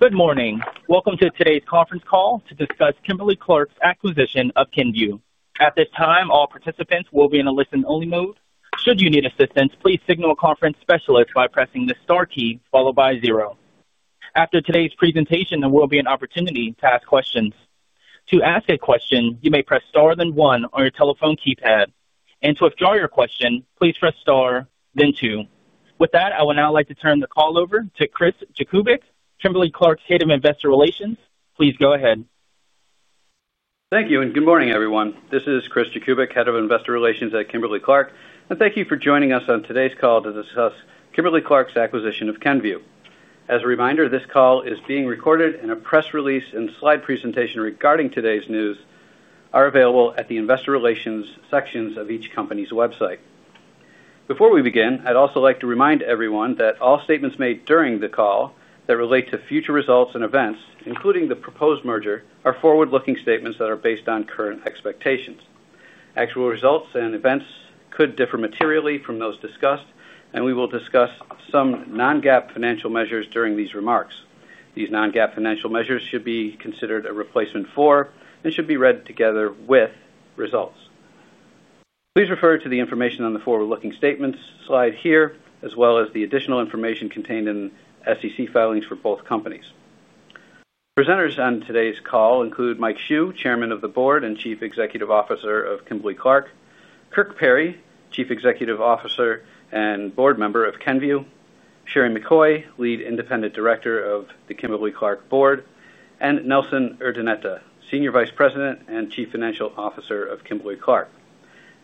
Good morning. Welcome to today's conference call to discuss Kimberly-Clark's acquisition of Kenvue. At this time, all participants will be in a listen-only mode. Should you need assistance, please signal a conference specialist by pressing the star key followed by zero. After today's presentation, there will be an opportunity to ask questions. To ask a question, you may press star then one on your telephone keypad. To withdraw your question, please press star then two. With that, I would now like to turn the call over to Chris Jakubik, Kimberly-Clark's Head of Investor Relations. Please go ahead. Thank you and good morning, everyone. This is Chris Jakubik, Head of Investor Relations at Kimberly-Clark. Thank you for joining us on today's call to discuss Kimberly-Clark's acquisition of Kenvue. As a reminder, this call is being recorded, and a press release and slide presentation regarding today's news are available at the Investor Relations sections of each company's website. Before we begin, I'd also like to remind everyone that all statements made during the call that relate to future results and events, including the proposed merger, are forward-looking statements that are based on current expectations. Actual results and events could differ materially from those discussed, and we will discuss some non-GAAP financial measures during these remarks. These non-GAAP financial measures should be considered a replacement for and should be read together with results. Please refer to the information on the forward-looking statements slide here, as well as the additional information contained in SEC filings for both companies. Presenters on today's call include Mike Hsu, Chairman of the Board and Chief Executive Officer of Kimberly-Clark; Kirk Perry, Chief Executive Officer and Board Member of Kenvue; Sheri McCoy, Lead Independent Director of the Kimberly-Clark Board; and Nelson Urdaneta, Senior Vice President and Chief Financial Officer of Kimberly-Clark.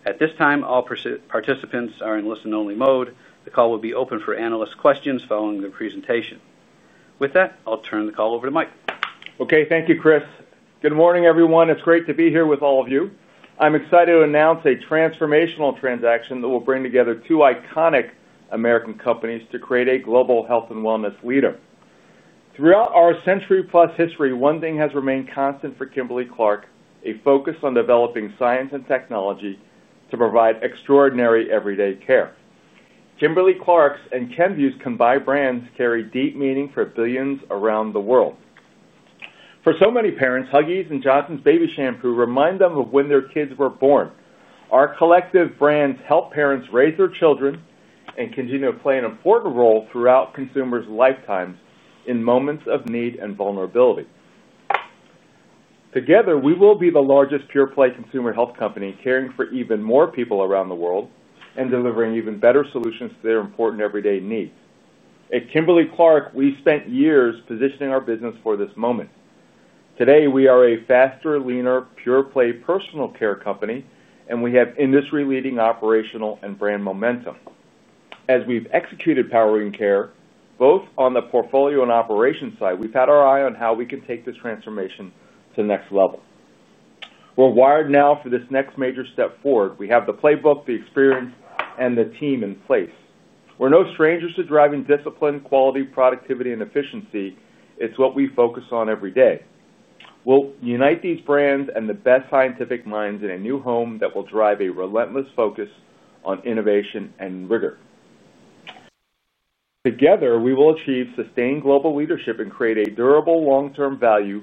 At this time, all participants are in listen-only mode. The call will be open for analyst questions following the presentation. With that, I'll turn the call over to Mike. Okay. Thank you, Chris. Good morning, everyone. It's great to be here with all of you. I'm excited to announce a transformational transaction that will bring together two iconic American companies to create a global health and wellness leader. Throughout our century-plus history, one thing has remained constant for Kimberly-Clark: a focus on developing science and technology to provide extraordinary everyday care. Kimberly-Clark's and Kenvue's combined brands carry deep meaning for billions around the world. For so many parents, Huggies and Johnson's Baby Shampoo remind them of when their kids were born. Our collective brands help parents raise their children and continue to play an important role throughout consumers' lifetimes in moments of need and vulnerability. Together, we will be the largest pure-play consumer health company caring for even more people around the world and delivering even better solutions to their important everyday needs. At Kimberly-Clark, we spent years positioning our business for this moment. Today, we are a faster, leaner, pure-play personal care company, and we have industry-leading operational and brand momentum. As we've executed power and care, both on the portfolio and operations side, we've had our eye on how we can take this transformation to the next level. We're wired now for this next major step forward. We have the playbook, the experience, and the team in place. We're no strangers to driving discipline, quality, productivity, and efficiency. It's what we focus on every day. We'll unite these brands and the best scientific minds in a new home that will drive a relentless focus on innovation and rigor. Together, we will achieve sustained global leadership and create a durable long-term value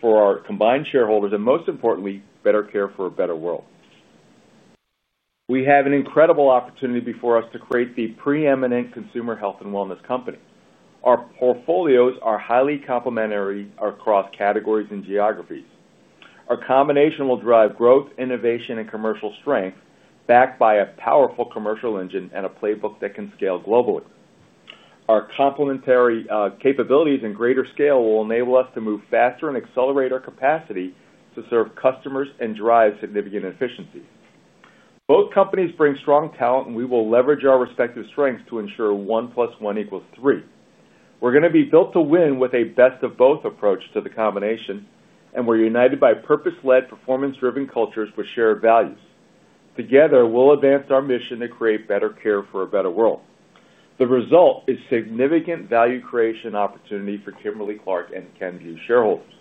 for our combined shareholders and, most importantly, better care for a better world. We have an incredible opportunity before us to create the preeminent consumer health and wellness company. Our portfolios are highly complementary across categories and geographies. Our combination will drive growth, innovation, and commercial strength backed by a powerful commercial engine and a playbook that can scale globally. Our complementary capabilities and greater scale will enable us to move faster and accelerate our capacity to serve customers and drive significant efficiency. Both companies bring strong talent, and we will leverage our respective strengths to ensure one plus one equals three. We're going to be built to win with a best of both approach to the combination, and we're united by purpose-led, performance-driven cultures with shared values. Together, we'll advance our mission to create better care for a better world. The result is significant value creation opportunity for Kimberly-Clark and Kenvue shareholders.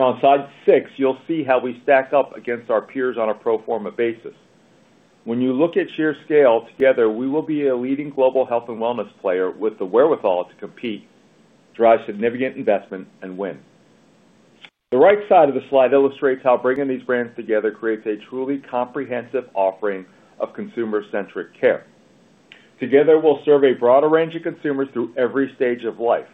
Now, on slide six, you'll see how we stack up against our peers on a pro forma basis. When you look at sheer scale, together, we will be a leading global health and wellness player with the wherewithal to compete, drive significant investment, and win. The right side of the slide illustrates how bringing these brands together creates a truly comprehensive offering of consumer-centric care. Together, we'll serve a broader range of consumers through every stage of life.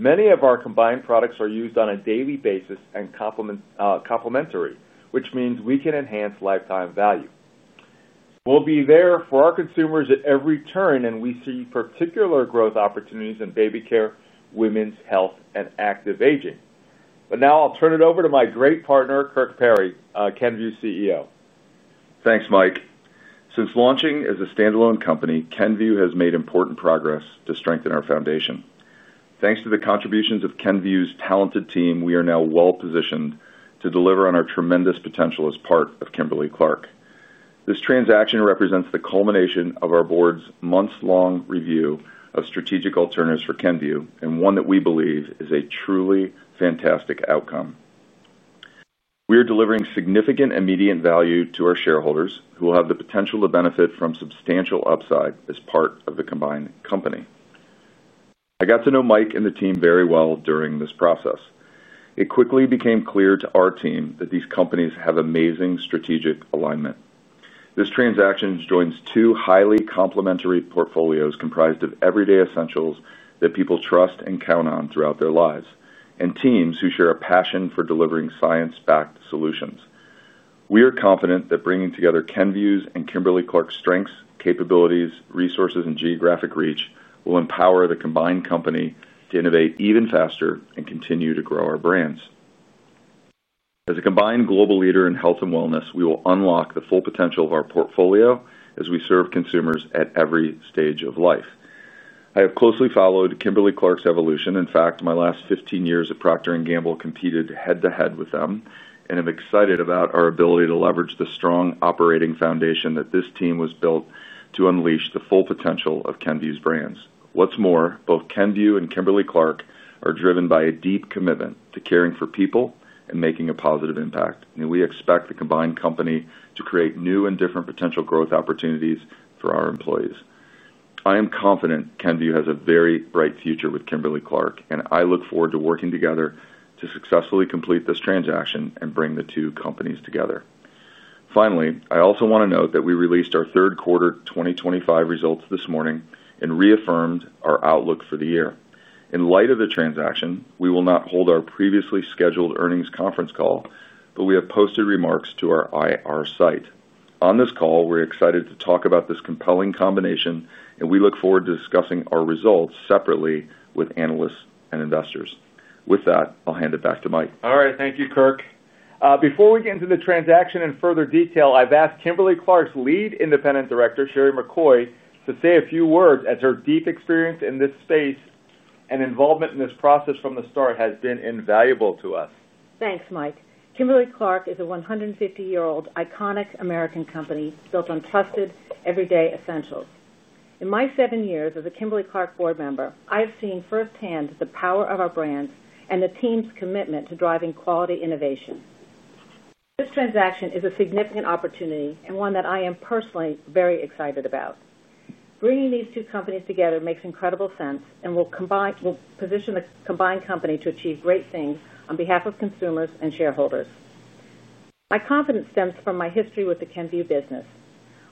Many of our combined products are used on a daily basis and complementary, which means we can enhance lifetime value. We'll be there for our consumers at every turn, and we see particular growth opportunities in baby care, women's health, and active aging. Now, I'll turn it over to my great partner, Kirk Perry, Kenvue's CEO. Thanks, Mike. Since launching as a standalone company, Kenvue has made important progress to strengthen our foundation. Thanks to the contributions of Kenvue's talented team, we are now well-positioned to deliver on our tremendous potential as part of Kimberly-Clark. This transaction represents the culmination of our board's months-long review of strategic alternatives for Kenvue and one that we believe is a truly fantastic outcome. We are delivering significant immediate value to our shareholders who will have the potential to benefit from substantial upside as part of the combined company. I got to know Mike and the team very well during this process. It quickly became clear to our team that these companies have amazing strategic alignment. This transaction joins two highly complementary portfolios comprised of everyday essentials that people trust and count on throughout their lives and teams who share a passion for delivering science-backed solutions. We are confident that bringing together Kenvue's and Kimberly-Clark's strengths, capabilities, resources, and geographic reach will empower the combined company to innovate even faster and continue to grow our brands. As a combined global leader in health and wellness, we will unlock the full potential of our portfolio as we serve consumers at every stage of life. I have closely followed Kimberly-Clark's evolution. In fact, my last 15 years at Procter & Gamble competed head-to-head with them, and I'm excited about our ability to leverage the strong operating foundation that this team was built to unleash the full potential of Kenvue's brands. What's more, both Kenvue and Kimberly-Clark are driven by a deep commitment to caring for people and making a positive impact. We expect the combined company to create new and different potential growth opportunities for our employees. I am confident Kenvue has a very bright future with Kimberly-Clark, and I look forward to working together to successfully complete this transaction and bring the two companies together. Finally, I also want to note that we released our third-quarter 2025 results this morning and reaffirmed our outlook for the year. In light of the transaction, we will not hold our previously scheduled earnings conference call, but we have posted remarks to our IR site. On this call, we're excited to talk about this compelling combination, and we look forward to discussing our results separately with analysts and investors. With that, I'll hand it back to Mike. All right. Thank you, Kirk. Before we get into the transaction in further detail, I've asked Kimberly-Clark's Lead Independent Director, Sherry McCoy, to say a few words as her deep experience in this space and involvement in this process from the start has been invaluable to us. Thanks, Mike. Kimberly-Clark is a 150-year-old iconic American company built on trusted everyday essentials. In my seven years as a Kimberly-Clark board member, I have seen firsthand the power of our brands and the team's commitment to driving quality innovation. This transaction is a significant opportunity and one that I am personally very excited about. Bringing these two companies together makes incredible sense and will position the combined company to achieve great things on behalf of consumers and shareholders. My confidence stems from my history with the Kenvue business.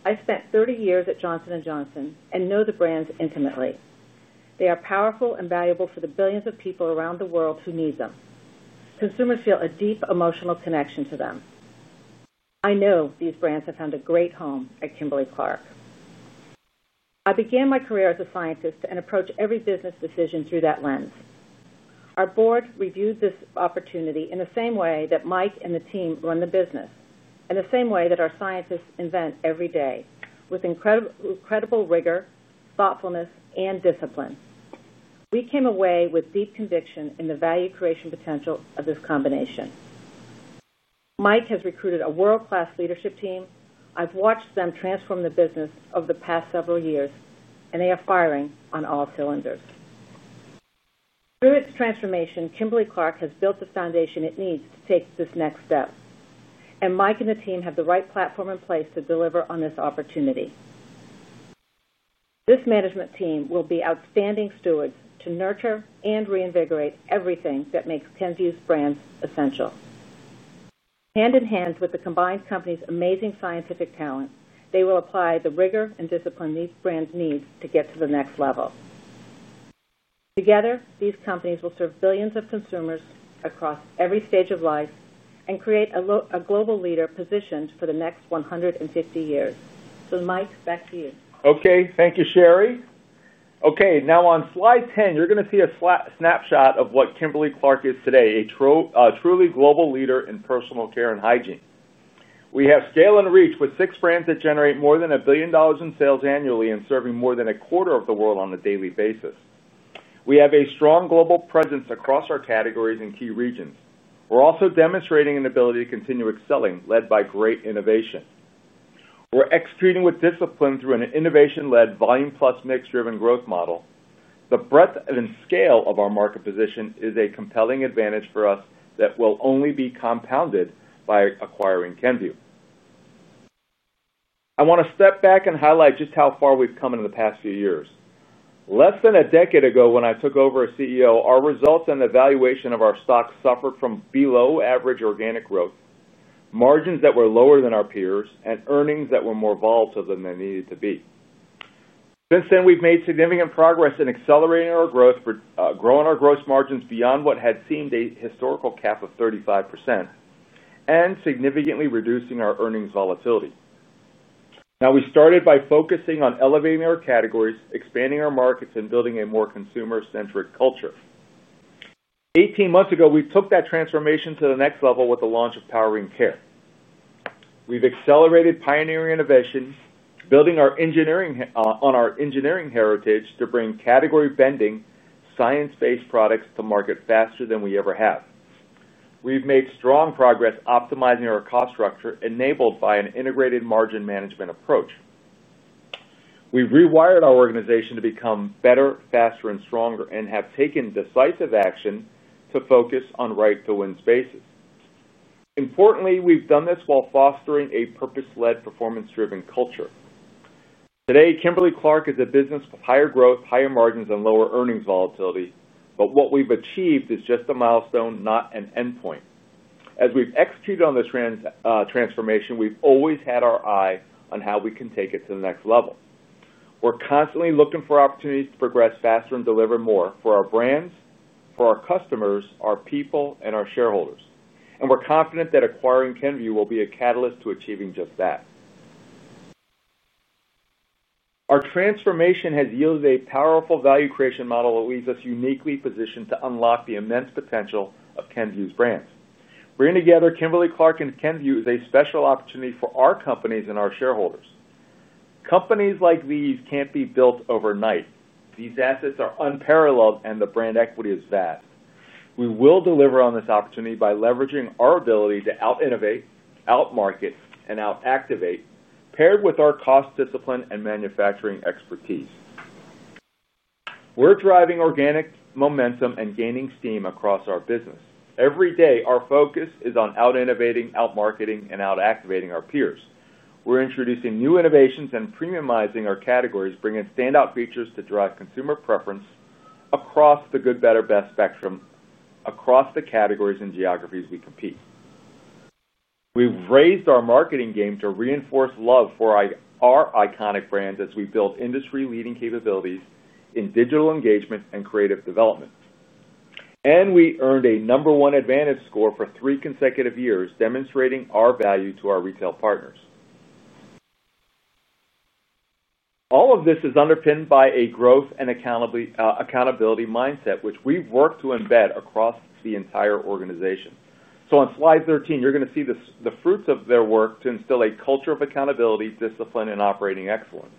I spent 30 years at Johnson & Johnson and know the brands intimately. They are powerful and valuable for the billions of people around the world who need them. Consumers feel a deep emotional connection to them. I know these brands have found a great home at Kimberly-Clark. I began my career as a scientist and approach every business decision through that lens. Our board reviewed this opportunity in the same way that Mike and the team run the business, in the same way that our scientists invent every day with incredible rigor, thoughtfulness, and discipline. We came away with deep conviction in the value creation potential of this combination. Mike has recruited a world-class leadership team. I've watched them transform the business over the past several years, and they are firing on all cylinders. Through its transformation, Kimberly-Clark has built the foundation it needs to take this next step, and Mike and the team have the right platform in place to deliver on this opportunity. This management team will be outstanding stewards to nurture and reinvigorate everything that makes Kenvue's brands essential. Hand in hand with the combined company's amazing scientific talent, they will apply the rigor and discipline these brands need to get to the next level. Together, these companies will serve billions of consumers across every stage of life and create a global leader positioned for the next 150 years. Mike, back to you. Okay. Thank you, Sheri. Okay. Now, on slide 10, you're going to see a snapshot of what Kimberly-Clark is today: a truly global leader in personal care and hygiene. We have scale and reach with six brands that generate more than $1 billion in sales annually and serving more than a quarter of the world on a daily basis. We have a strong global presence across our categories and key regions. We're also demonstrating an ability to continue excelling led by great innovation. We're executing with discipline through an innovation-led, volume-plus mix-driven growth model. The breadth and scale of our market position is a compelling advantage for us that will only be compounded by acquiring Kenvue. I want to step back and highlight just how far we've come in the past few years. Less than a decade ago, when I took over as CEO, our results and evaluation of our stock suffered from below-average organic growth, margins that were lower than our peers, and earnings that were more volatile than they needed to be. Since then, we've made significant progress in accelerating our growth, growing our gross margins beyond what had seemed a historical cap of 35%, and significantly reducing our earnings volatility. Now, we started by focusing on elevating our categories, expanding our markets, and building a more consumer-centric culture. Eighteen months ago, we took that transformation to the next level with the launch of power and care. We've accelerated pioneering innovation, building on our engineering heritage to bring category-bending, science-based products to market faster than we ever have. We've made strong progress optimizing our cost structure enabled by an integrated margin management approach. We've rewired our organization to become better, faster, and stronger and have taken decisive action to focus on right-to-win spaces. Importantly, we've done this while fostering a purpose-led, performance-driven culture. Today, Kimberly-Clark is a business with higher growth, higher margins, and lower earnings volatility, but what we've achieved is just a milestone, not an endpoint. As we've executed on this transformation, we've always had our eye on how we can take it to the next level. We're constantly looking for opportunities to progress faster and deliver more for our brands, for our customers, our people, and our shareholders. We're confident that acquiring Kenvue will be a catalyst to achieving just that. Our transformation has yielded a powerful value creation model that leaves us uniquely positioned to unlock the immense potential of Kenvue's brands. Bringing together Kimberly-Clark and Kenvue is a special opportunity for our companies and our shareholders. Companies like these can't be built overnight. These assets are unparalleled, and the brand equity is vast. We will deliver on this opportunity by leveraging our ability to out-innovate, out-market, and out-activate, paired with our cost discipline and manufacturing expertise. We're driving organic momentum and gaining steam across our business. Every day, our focus is on out-innovating, out-marketing, and out-activating our peers. We're introducing new innovations and premiumizing our categories, bringing standout features to drive consumer preference across the good, better, best spectrum, across the categories and geographies we compete. We've raised our marketing game to reinforce love for our iconic brands as we build industry-leading capabilities in digital engagement and creative development. We earned a number one advantage score for three consecutive years, demonstrating our value to our retail partners. All of this is underpinned by a growth and accountability mindset, which we've worked to embed across the entire organization. On slide 13, you're going to see the fruits of their work to instill a culture of accountability, discipline, and operating excellence.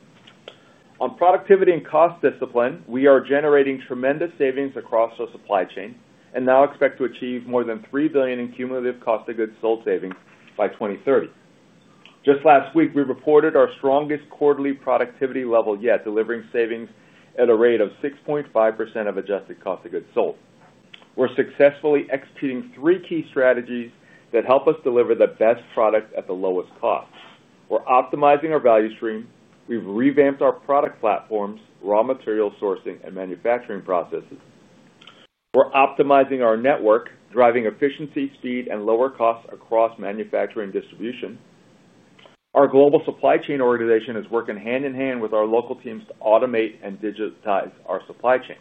On productivity and cost discipline, we are generating tremendous savings across our supply chain and now expect to achieve more than $3 billion in cumulative cost of goods sold savings by 2030. Just last week, we reported our strongest quarterly productivity level yet, delivering savings at a rate of 6.5% of adjusted cost of goods sold. We're successfully executing three key strategies that help us deliver the best product at the lowest cost. We're optimizing our value stream. We've revamped our product platforms, raw material sourcing, and manufacturing processes. We're optimizing our network, driving efficiency, speed, and lower costs across manufacturing and distribution. Our global supply chain organization is working hand in hand with our local teams to automate and digitize our supply chain.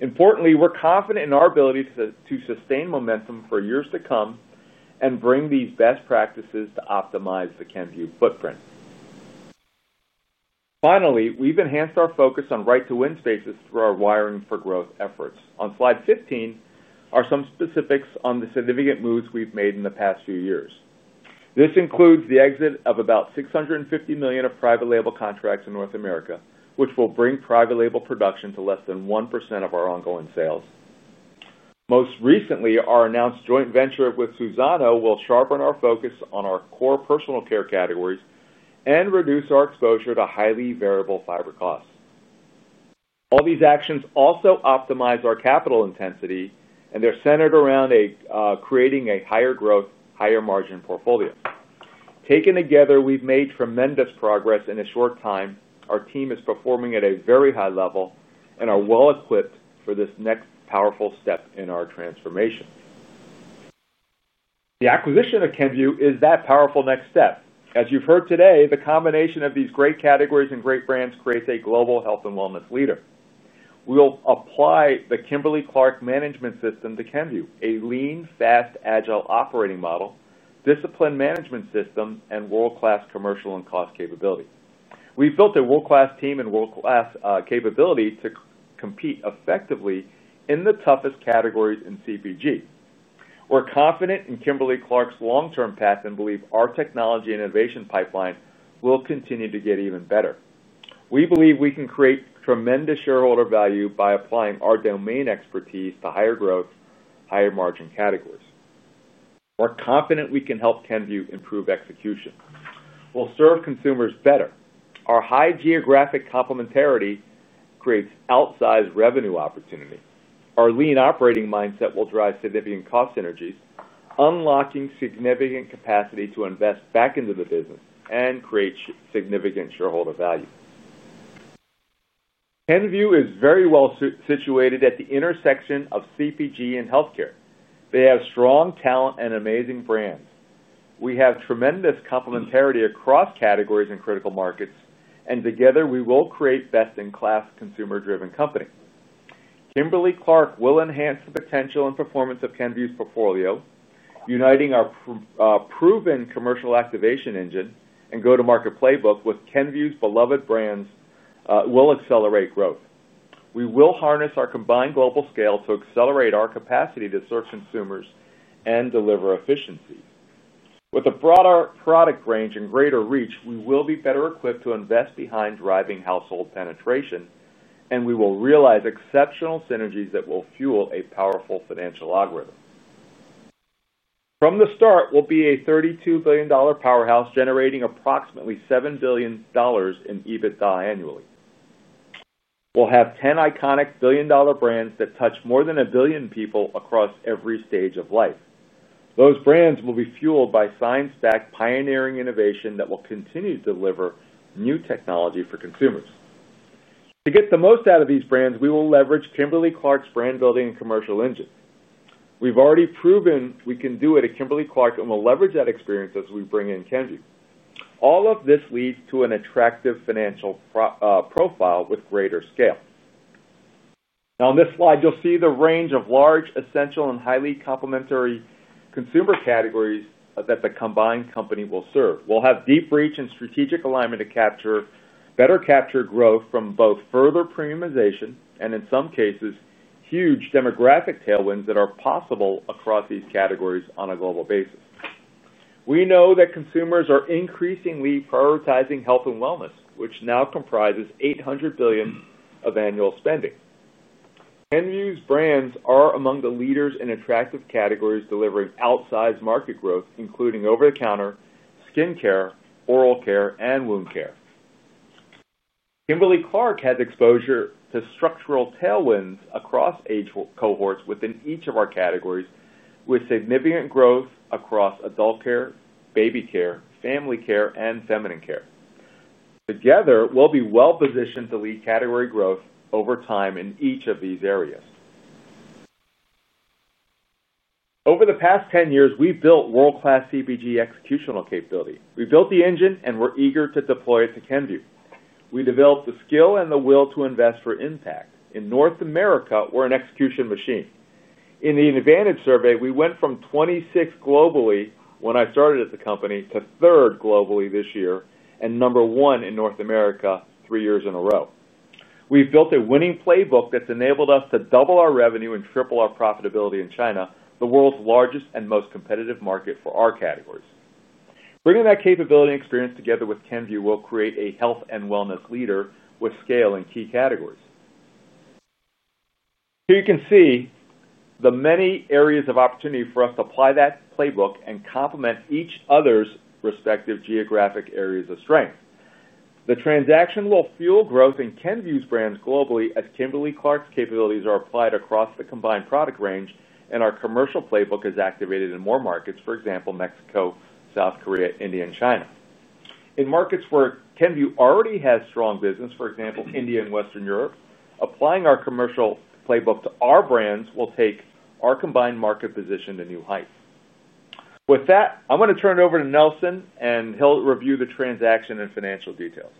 Importantly, we're confident in our ability to sustain momentum for years to come and bring these best practices to optimize the Kenvue footprint. Finally, we've enhanced our focus on right-to-win spaces through our wiring for growth efforts. On slide 15 are some specifics on the significant moves we've made in the past few years. This includes the exit of about $650 million of private label contracts in North America, which will bring private label production to less than 1% of our ongoing sales. Most recently, our announced joint venture with Suzano will sharpen our focus on our core personal care categories and reduce our exposure to highly variable fiber costs. All these actions also optimize our capital intensity, and they're centered around creating a higher growth, higher margin portfolio. Taken together, we've made tremendous progress in a short time. Our team is performing at a very high level and are well equipped for this next powerful step in our transformation. The acquisition of Kenvue is that powerful next step. As you've heard today, the combination of these great categories and great brands creates a global health and wellness leader. We'll apply the Kimberly-Clark management system to Kenvue: a lean, fast, agile operating model, discipline management system, and world-class commercial and cost capability. We've built a world-class team and world-class capability to compete effectively in the toughest categories in CPG. We're confident in Kimberly-Clark's long-term path and believe our technology and innovation pipeline will continue to get even better. We believe we can create tremendous shareholder value by applying our domain expertise to higher growth, higher margin categories. We're confident we can help Kenvue improve execution. We'll serve consumers better. Our high geographic complementarity creates outsized revenue opportunity. Our lean operating mindset will drive significant cost synergies, unlocking significant capacity to invest back into the business and create significant shareholder value. Kenvue is very well situated at the intersection of CPG and healthcare. They have strong talent and amazing brands. We have tremendous complementarity across categories and critical markets, and together, we will create best-in-class consumer-driven companies. Kimberly-Clark will enhance the potential and performance of Kenvue's portfolio. Uniting our proven commercial activation engine and go-to-market playbook with Kenvue's beloved brands will accelerate growth. We will harness our combined global scale to accelerate our capacity to serve consumers and deliver efficiency. With a broader product range and greater reach, we will be better equipped to invest behind driving household penetration, and we will realize exceptional synergies that will fuel a powerful financial algorithm. From the start, we'll be a $32 billion powerhouse generating approximately $7 billion in EBITDA annually. We'll have 10 iconic billion-dollar brands that touch more than a billion people across every stage of life. Those brands will be fueled by science-backed pioneering innovation that will continue to deliver new technology for consumers. To get the most out of these brands, we will leverage Kimberly-Clark's brand-building and commercial engine. We've already proven we can do it at Kimberly-Clark, and we'll leverage that experience as we bring in Kenvue. All of this leads to an attractive financial profile with greater scale. Now, on this slide, you'll see the range of large, essential, and highly complementary consumer categories that the combined company will serve. We'll have deep reach and strategic alignment to better capture growth from both further premiumization and, in some cases, huge demographic tailwinds that are possible across these categories on a global basis. We know that consumers are increasingly prioritizing health and wellness, which now comprises $800 billion of annual spending. Kenvue's brands are among the leaders in attractive categories delivering outsized market growth, including over-the-counter, skin care, oral care, and wound care. Kimberly-Clark has exposure to structural tailwinds across age cohorts within each of our categories, with significant growth across adult care, baby care, family care, and feminine care. Together, we'll be well positioned to lead category growth over time in each of these areas. Over the past 10 years, we've built world-class CPG executional capability. We built the engine, and we're eager to deploy it to Kenvue. We developed the skill and the will to invest for impact. In North America, we're an execution machine. In the Advantage survey, we went from 26 globally when I started at the company to third globally this year and number one in North America three years in a row. We've built a winning playbook that's enabled us to double our revenue and triple our profitability in China, the world's largest and most competitive market for our categories. Bringing that capability and experience together with Kenvue will create a health and wellness leader with scale in key categories. Here you can see the many areas of opportunity for us to apply that playbook and complement each other's respective geographic areas of strength. The transaction will fuel growth in Kenvue's brands globally as Kimberly-Clark's capabilities are applied across the combined product range, and our commercial playbook is activated in more markets, for example, Mexico, South Korea, India, and China. In markets where Kenvue already has strong business, for example, India and Western Europe, applying our commercial playbook to our brands will take our combined market position to new heights. With that, I'm going to turn it over to Nelson, and he'll review the transaction and financial details.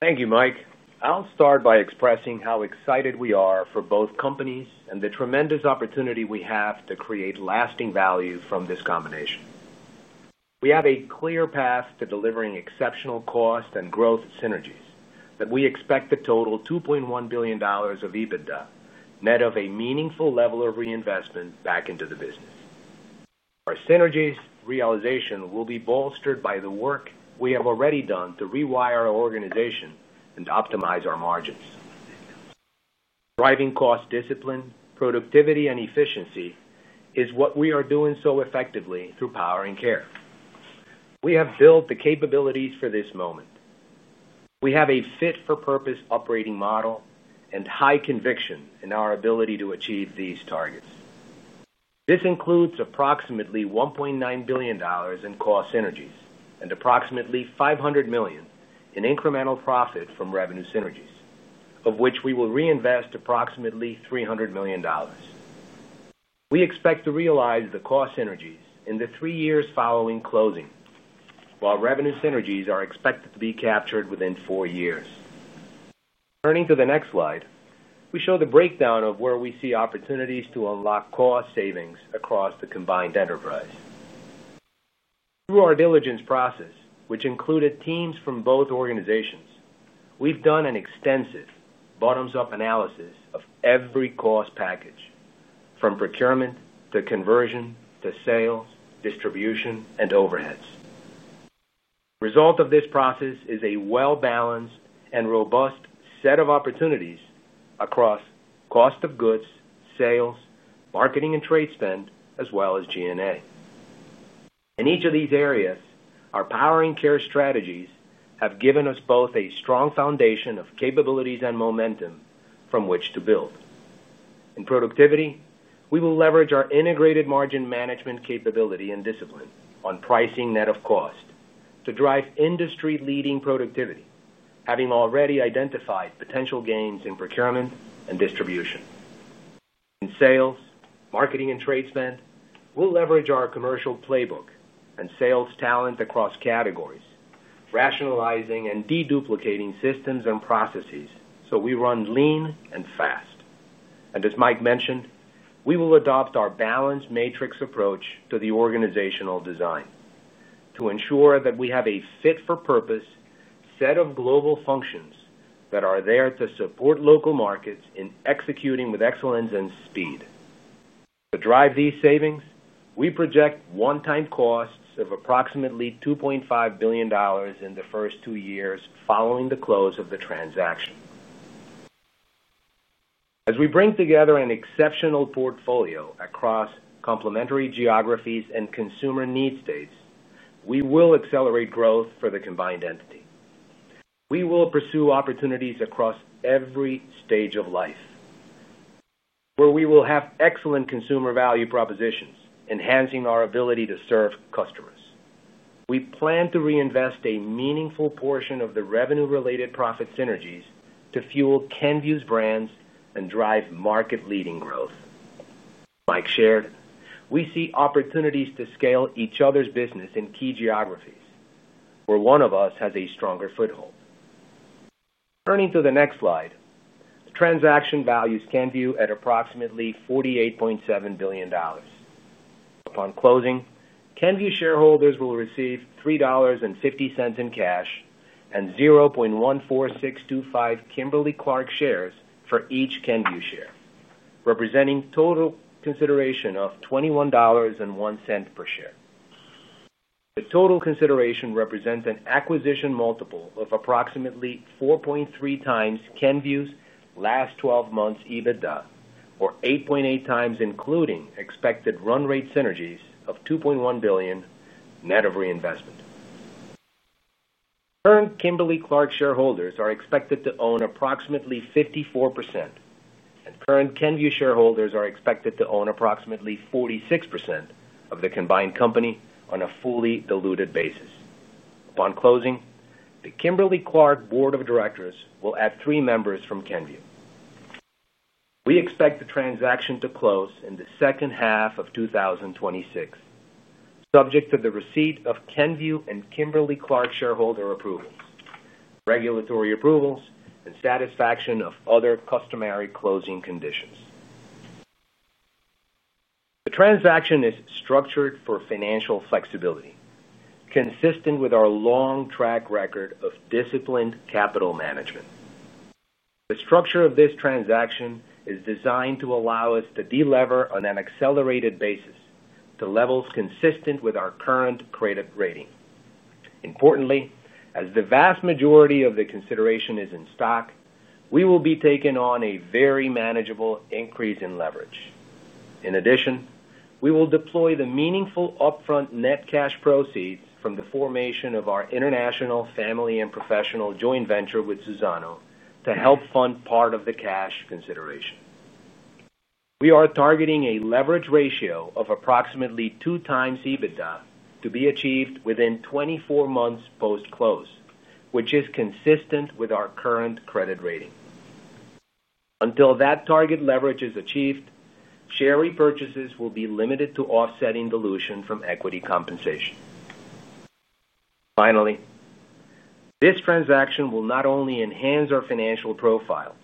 Thank you, Mike. I'll start by expressing how excited we are for both companies and the tremendous opportunity we have to create lasting value from this combination. We have a clear path to delivering exceptional cost and growth synergies that we expect to total $2.1 billion of EBITDA, net of a meaningful level of reinvestment back into the business. Our synergies realization will be bolstered by the work we have already done to rewire our organization and optimize our margins. Driving cost discipline, productivity, and efficiency is what we are doing so effectively through power and care. We have built the capabilities for this moment. We have a fit-for-purpose operating model and high conviction in our ability to achieve these targets. This includes approximately $1.9 billion in cost synergies and approximately $500 million in incremental profit from revenue synergies, of which we will reinvest approximately $300 million. We expect to realize the cost synergies in the three years following closing, while revenue synergies are expected to be captured within four years. Turning to the next slide, we show the breakdown of where we see opportunities to unlock cost savings across the combined enterprise. Through our diligence process, which included teams from both organizations, we've done an extensive bottoms-up analysis of every cost package, from procurement to conversion to sales, distribution, and overheads. The result of this process is a well-balanced and robust set of opportunities across cost of goods, sales, marketing, and trade spend, as well as G&A. In each of these areas, our power and care strategies have given us both a strong foundation of capabilities and momentum from which to build. In productivity, we will leverage our integrated margin management capability and discipline on pricing net of cost to drive industry-leading productivity, having already identified potential gains in procurement and distribution. In sales, marketing, and trade spend, we'll leverage our commercial playbook and sales talent across categories, rationalizing and deduplicating systems and processes so we run lean and fast. As Mike mentioned, we will adopt our balanced matrix approach to the organizational design. To ensure that we have a fit-for-purpose set of global functions that are there to support local markets in executing with excellence and speed. To drive these savings, we project one-time costs of approximately $2.5 billion in the first two years following the close of the transaction. As we bring together an exceptional portfolio across complementary geographies and consumer needs states, we will accelerate growth for the combined entity. We will pursue opportunities across every stage of life, where we will have excellent consumer value propositions, enhancing our ability to serve customers. We plan to reinvest a meaningful portion of the revenue-related profit synergies to fuel Kenvue's brands and drive market-leading growth. Like shared, we see opportunities to scale each other's business in key geographies, where one of us has a stronger foothold. Turning to the next slide, the transaction values Kenvue at approximately $48.7 billion. Upon closing, Kenvue shareholders will receive $3.50 in cash and 0.14625 Kimberly-Clark shares for each Kenvue share, representing total consideration of $21.01 per share. The total consideration represents an acquisition multiple of approximately 4.3 times Kenvue's last 12 months EBITDA, or 8.8 times including expected run rate synergies of $2.1 billion net of reinvestment. Current Kimberly-Clark shareholders are expected to own approximately 54%, and current Kenvue shareholders are expected to own approximately 46% of the combined company on a fully diluted basis. Upon closing, the Kimberly-Clark Board of Directors will add three members from Kenvue. We expect the transaction to close in the second half of 2026, subject to the receipt of Kenvue and Kimberly-Clark shareholder approvals, regulatory approvals, and satisfaction of other customary closing conditions. The transaction is structured for financial flexibility, consistent with our long track record of disciplined capital management. The structure of this transaction is designed to allow us to delever on an accelerated basis to levels consistent with our current credit rating. Importantly, as the vast majority of the consideration is in stock, we will be taking on a very manageable increase in leverage. In addition, we will deploy the meaningful upfront net cash proceeds from the formation of our international family and professional joint venture with Suzano to help fund part of the cash consideration. We are targeting a leverage ratio of approximately two times EBITDA to be achieved within 24 months post-close, which is consistent with our current credit rating. Until that target leverage is achieved, share repurchases will be limited to offsetting dilution from equity compensation. Finally, this transaction will not only enhance our financial profile,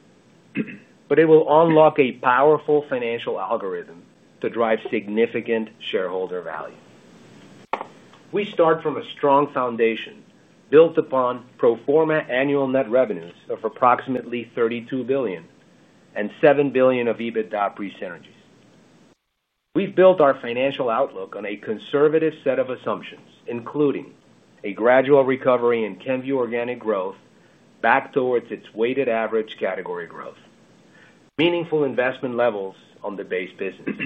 but it will unlock a powerful financial algorithm to drive significant shareholder value. We start from a strong foundation built upon pro forma annual net revenues of approximately $32 billion and $7 billion of EBITDA pre-synergies. We have built our financial outlook on a conservative set of assumptions, including a gradual recovery in Kenvue organic growth back towards its weighted average category growth. Meaningful investment levels on the base business.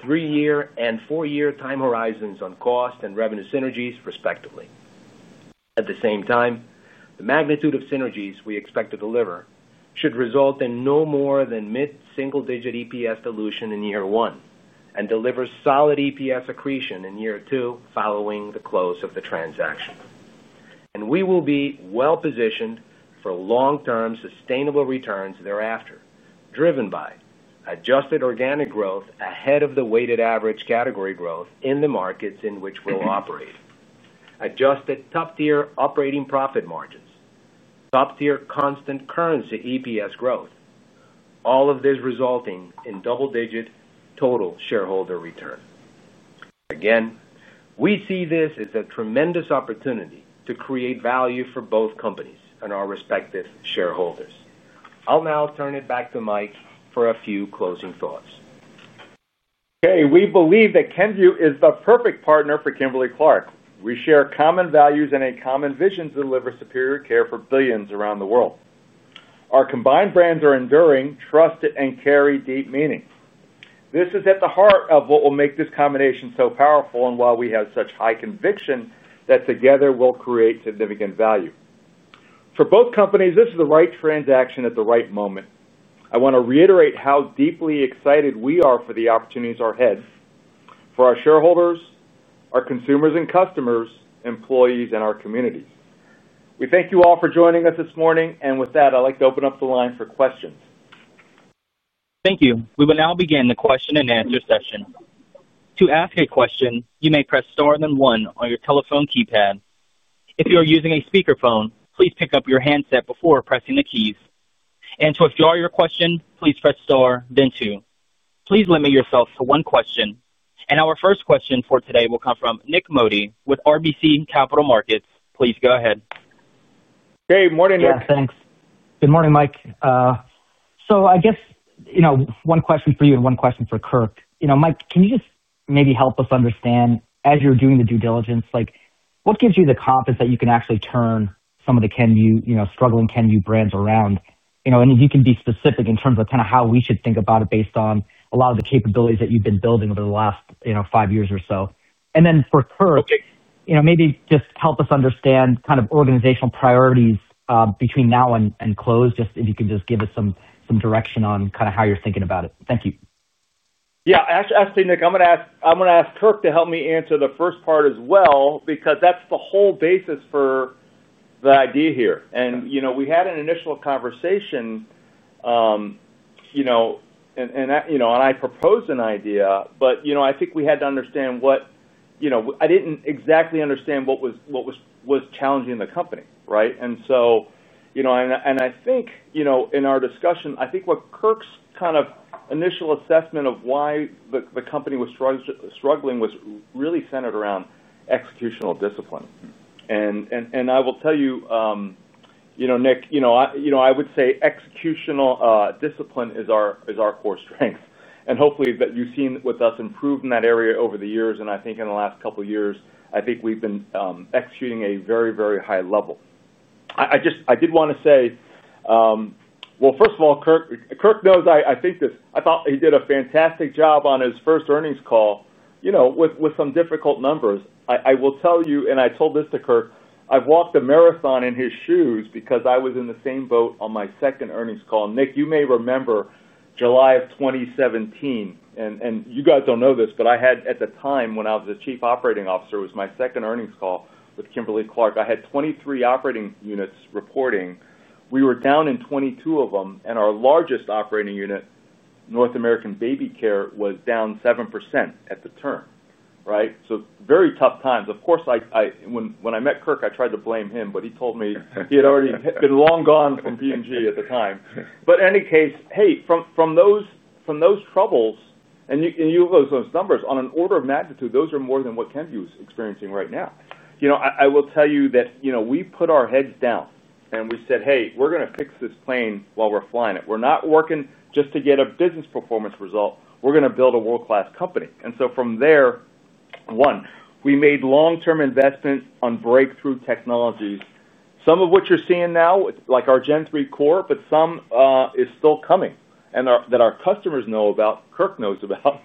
Three-year and four-year time horizons on cost and revenue synergies, respectively. At the same time, the magnitude of synergies we expect to deliver should result in no more than mid-single-digit EPS dilution in year one and deliver solid EPS accretion in year two following the close of the transaction. We will be well positioned for long-term sustainable returns thereafter, driven by adjusted organic growth ahead of the weighted average category growth in the markets in which we will operate, adjusted top-tier operating profit margins, top-tier constant currency EPS growth, all of this resulting in double-digit total shareholder return. Again, we see this as a tremendous opportunity to create value for both companies and our respective shareholders. I will now turn it back to Mike for a few closing thoughts. Okay. We believe that Kenvue is the perfect partner for Kimberly-Clark. We share common values and a common vision to deliver superior care for billions around the world. Our combined brands are enduring, trusted, and carry deep meaning. This is at the heart of what will make this combination so powerful and why we have such high conviction that together we will create significant value. For both companies, this is the right transaction at the right moment. I want to reiterate how deeply excited we are for the opportunities ahead for our shareholders, our consumers and customers, employees, and our communities. We thank you all for joining us this morning. With that, I would like to open up the line for questions. Thank you. We will now begin the question and answer session. To ask a question, you may press star and then one on your telephone keypad. If you are using a speakerphone, please pick up your handset before pressing the keys. To withdraw your question, please press star, then two. Please limit yourself to one question. Our first question for today will come from Nik Modi with RBC Capital Markets. Please go ahead. Hey. Morning, Nik. Yeah. Thanks. Good morning, Mike. I guess one question for you and one question for Kirk. Mike, can you just maybe help us understand, as you are doing the due diligence, what gives you the confidence that you can actually turn some of the struggling Kenvue brands around? If you can be specific in terms of kind of how we should think about it based on a lot of the capabilities that you have been building over the last five years or so. Then for Kirk, maybe just help us understand kind of organizational priorities between now and close, just if you can just give us some direction on kind of how you are thinking about it. Thank you. Yeah. Actually, Nik, I am going to ask Kirk to help me answer the first part as well because that is the whole basis for the idea here. We had an initial conversation. I proposed an idea, but I think we had to understand what I did not exactly understand what was challenging the company, right? I think in our discussion, I think what Kirk's kind of initial assessment of why the company was struggling was really centered around executional discipline. I will tell you, Nik I would say executional discipline is our core strength. Hopefully, you have seen with us improve in that area over the years. I think in the last couple of years, I think we have been executing at a very, very high level. I did want to say, first of all, Kirk knows I think this. I thought he did a fantastic job on his first earnings call with some difficult numbers. I will tell you, and I told this to Kirk, I have walked a marathon in his shoes because I was in the same boat on my second earnings call. Nik, you may remember July of 2017. You guys do not know this, but I had, at the time when I was the Chief Operating Officer, it was my second earnings call with Kimberly-Clark. I had 23 operating units reporting. We were down in 22 of them. Our largest operating unit, North American Baby Care, was down 7% at the turn, right? Very tough times. Of course, when I met Kirk, I tried to blame him, but he told me he had already been long gone from P&G at the time. In any case, hey, from those troubles and you look at those numbers, on an order of magnitude, those are more than what Kenvue is experiencing right now. Iwill tell you that we put our heads down and we said, "Hey, we are going to fix this plane while we are flying it. We are not working just to get a business performance result. We are going to build a world-class company." From there, one, we made long-term investment on breakthrough technologies, some of which you are seeing now, like our Gen3 Core, but some is still coming that our customers know about, Kirk knows about.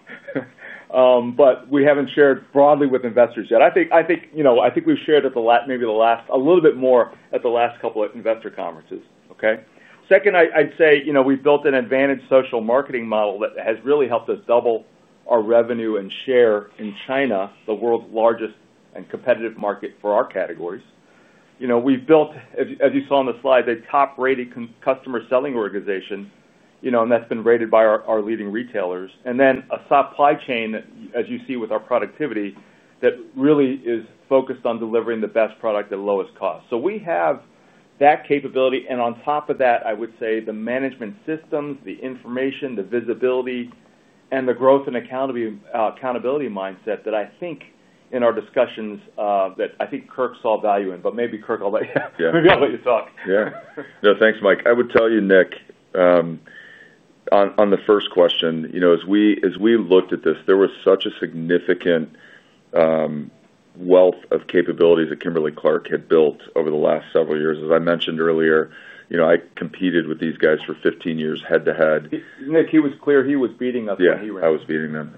We have not shared broadly with investors yet. I think we have shared maybe a little bit more at the last couple of investor conferences, okay? Second, I would say we have built an advanced social marketing model that has really helped us double our revenue and share in China, the world's largest and competitive market for our categories. We have built, as you saw on the slide, a top-rated customer selling organization, and that has been rated by our leading retailers. A supply chain, as you see with our productivity, that really is focused on delivering the best product at lowest cost. We have that capability. On top of that, I would say the management systems, the information, the visibility, and the growth and accountability mindset that I think in our discussions that I think Kirk saw value in. Maybe Kirk, I'll let you talk. Yeah. No, thanks, Mike. I would tell you, Nik, on the first question, as we looked at this, there was such a significant wealth of capabilities that Kimberly-Clark had built over the last several years. As I mentioned earlier, I competed with these guys for 15 years head to head. Nik, he was clear he was beating us when he was. Yeah. I was beating them.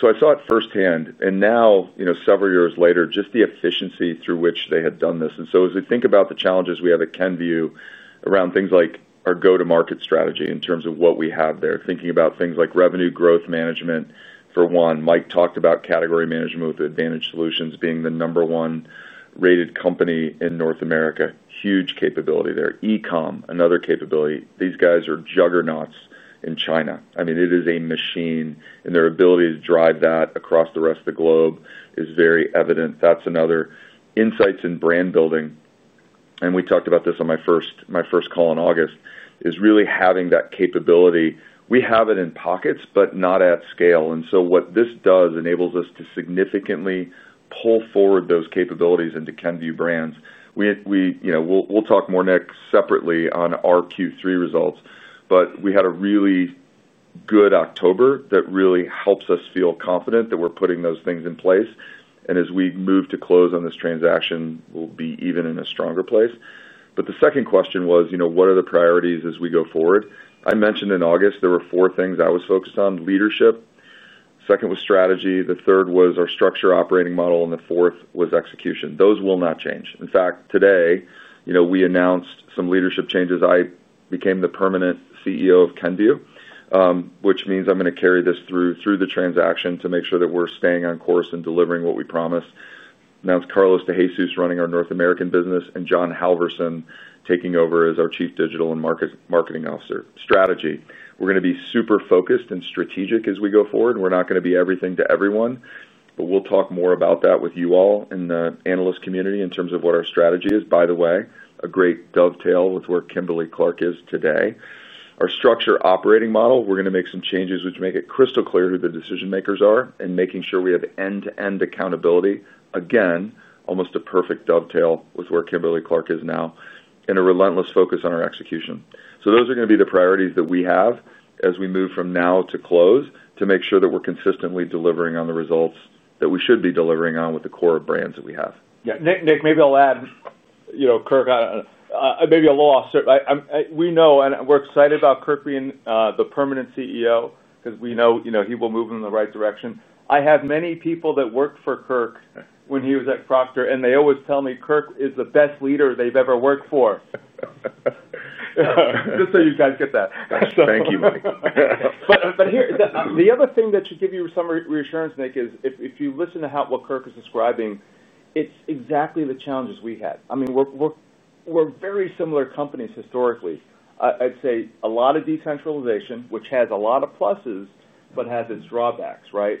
So I saw it firsthand. Now, several years later, just the efficiency through which they had done this. As we think about the challenges we have at Kenvue around things like our go-to-market strategy in terms of what we have there, thinking about things like revenue growth management, for one, Mike talked about category management with Advantage Solutions being the number one rated company in North America, huge capability there. Ecom, another capability. These guys are juggernauts in China. I mean, it is a machine. Their ability to drive that across the rest of the globe is very evident. That's another. Insights in brand building. We talked about this on my first call in August, really having that capability. We have it in pockets, but not at scale. What this does enables us to significantly pull forward those capabilities into Kenvue brands. We'll talk more, Nik, separately on our Q3 results. We had a really good October that really helps us feel confident that we're putting those things in place. As we move to close on this transaction, we'll be even in a stronger place. The second question was, what are the priorities as we go forward? I mentioned in August, there were four things I was focused on: leadership. Second was strategy. The third was our structured operating model. The fourth was execution. Those will not change. In fact, today, we announced some leadership changes. I became the permanent CEO of Kenvue, which means I'm going to carry this through the transaction to make sure that we're staying on course and delivering what we promised. Now it's Carlos de Jesus running our North American business, and John Halverson taking over as our Chief Digital and Marketing Officer. Strategy. We're going to be super focused and strategic as we go forward. We're not going to be everything to everyone. We'll talk more about that with you all in the analyst community in terms of what our strategy is. By the way, a great dovetail with where Kimberly-Clark is today. Our structured operating model, we're going to make some changes which make it crystal clear who the decision-makers are and making sure we have end-to-end accountability. Again, almost a perfect dovetail with where Kimberly-Clark is now and a relentless focus on our execution. So those are going to be the priorities that we have as we move from now to close to make sure that we're consistently delivering on the results that we should be delivering on with the core brands that we have. Yeah. Nik, maybe I'll add. Kirk. Maybe a little off-script. We know, and we're excited about Kirk being the permanent CEO because we know he will move in the right direction. I have many people that worked for Kirk when he was at Procter, and they always tell me, "Kirk is the best leader they've ever worked for." Just so you guys get that. Thank you, Mike. But the other thing that should give you some reassurance, Nik, is if you listen to what Kirk is describing, it's exactly the challenges we had. I mean, we're very similar companies historically. I'd say a lot of decentralization, which has a lot of pluses but has its drawbacks, right?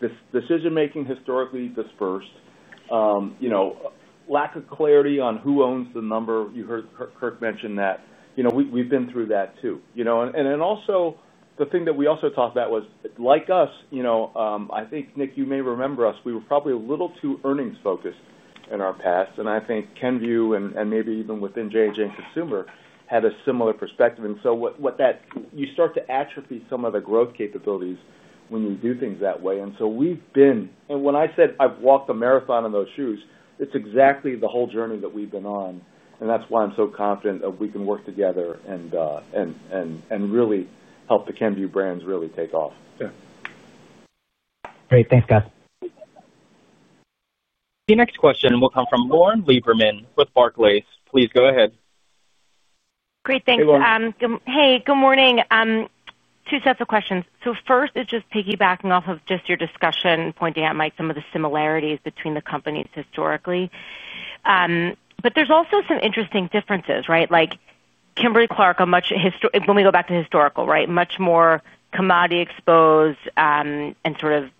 This decision-making historically dispersed. Lack of clarity on who owns the number. You heard Kirk mention that. We've been through that too. The thing that we also talked about was, like us, I think, Nik, you may remember us, we were probably a little too earnings-focused in our past. I think Kenvue and maybe even within J&J and Consumer had a similar perspective. You start to atrophy some of the growth capabilities when you do things that way. We've been—and when I said I've walked a marathon in those shoes, it's exactly the whole journey that we've been on. That's why I'm so confident that we can work together and really help the Kenvue brands really take off. Yeah. Great. Thanks, guys. The next question will come from Lauren Lieberman with Barclays. Please go ahead. Great. Thanks. Hey. Good morning. Two sets of questions. First is just piggybacking off of just your discussion, pointing out, Mike, some of the similarities between the companies historically. There's also some interesting differences, right? Kimberly-Clark, when we go back to historical, right, much more commodity exposed and sort of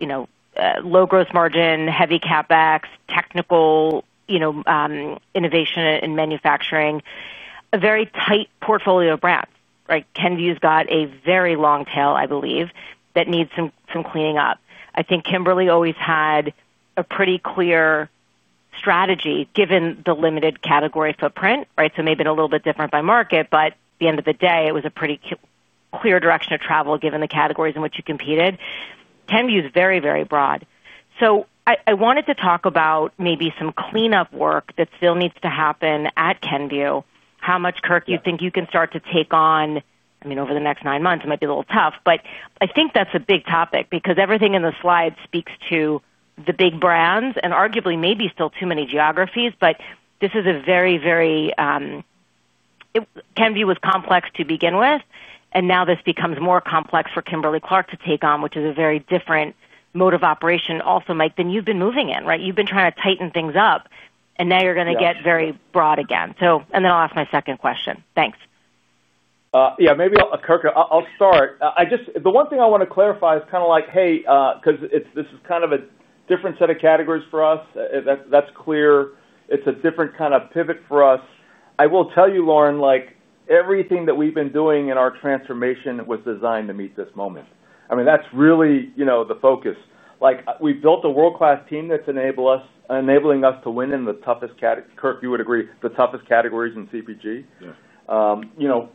low-growth margin, heavy CapEx, technical. Innovation in manufacturing, a very tight portfolio of brands. Kenvue's got a very long tail, I believe, that needs some cleaning up. I think Kimberly always had a pretty clear strategy given the limited category footprint, right? Maybe a little bit different by market, but at the end of the day, it was a pretty clear direction of travel given the categories in which you competed. Kenvue's very, very broad. I wanted to talk about maybe some cleanup work that still needs to happen at Kenvue. How much, Kirk, you think you can start to take on? I mean, over the next nine months, it might be a little tough. I think that's a big topic because everything in the slides speaks to the big brands and arguably maybe still too many geographies. But this is a very, very—Kenvue was complex to begin with. And now this becomes more complex for Kimberly-Clark to take on, which is a very different mode of operation also, Mike, than you've been moving in, right? You've been trying to tighten things up. And now you're going to get very broad again. And then I'll ask my second question. Thanks. Yeah. Maybe Kirk, I'll start. The one thing I want to clarify is kind of like, hey, because this is kind of a different set of categories for us. That's clear. It's a different kind of pivot for us. I will tell you, Lauren, everything that we've been doing in our transformation was designed to meet this moment. I mean, that's really the focus. We've built a world-class team that's enabling us to win in the toughest—Kirk, you would agree—the toughest categories in CPG.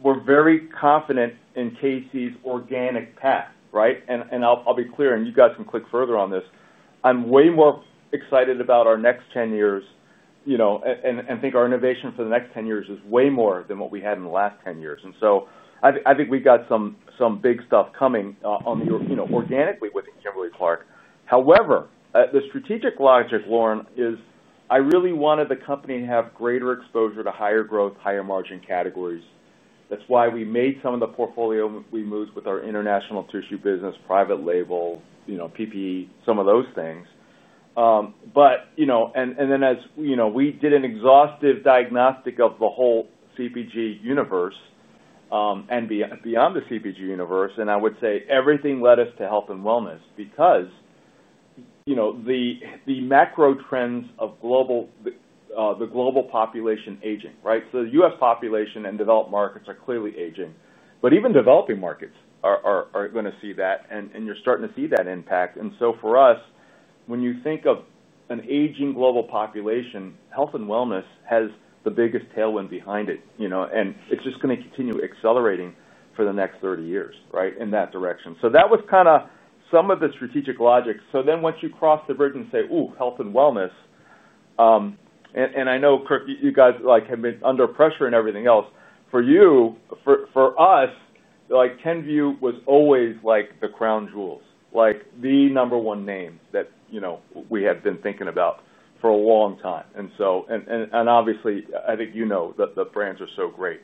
We're very confident in KC's organic path, right? And I'll be clear, and you guys can click further on this. I'm way more excited about our next 10 years. And I think our innovation for the next 10 years is way more than what we had in the last 10 years. And so I think we've got some big stuff coming organically within Kimberly-Clark. However, the strategic logic, Lauren, is I really wanted the company to have greater exposure to higher growth, higher margin categories. That's why we made some of the portfolio moves with our international tissue business, private label, PPE, some of those things. And then as we did an exhaustive diagnostic of the whole CPG universe. And beyond the CPG universe, and I would say everything led us to health and wellness because. The macro trends of. The global population aging, right? So the U.S. population and developed markets are clearly aging. But even developing markets are going to see that. And you're starting to see that impact. And so for us, when you think of an aging global population, health and wellness has the biggest tailwind behind it. And it's just going to continue accelerating for the next 30 years, right, in that direction. That was kind of some of the strategic logic. Once you cross the bridge and say, "Ooh, health and wellness." And I know, Kirk, you guys have been under pressure and everything else. For you, for us. Kenvue was always the crown jewels, the number one name that we had been thinking about for a long time. And obviously, I think you know that the brands are so great.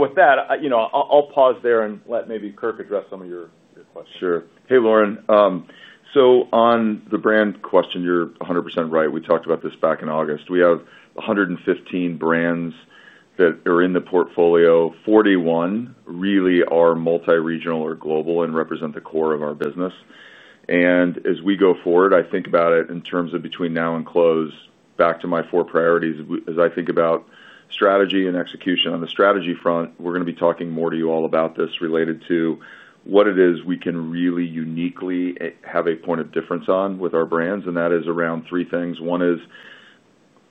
With that, I'll pause there and let maybe Kirk address some of your questions. Sure. Hey, Lauren. On the brand question, you're 100% right. We talked about this back in August. We have 115 brands that are in the portfolio. 41 really are multi-regional or global and represent the core of our business. As we go forward, I think about it in terms of between now and close, back to my four priorities as I think about strategy and execution. On the strategy front, we're going to be talking more to you all about this related to what it is we can really uniquely have a point of difference on with our brands. That is around three things. One is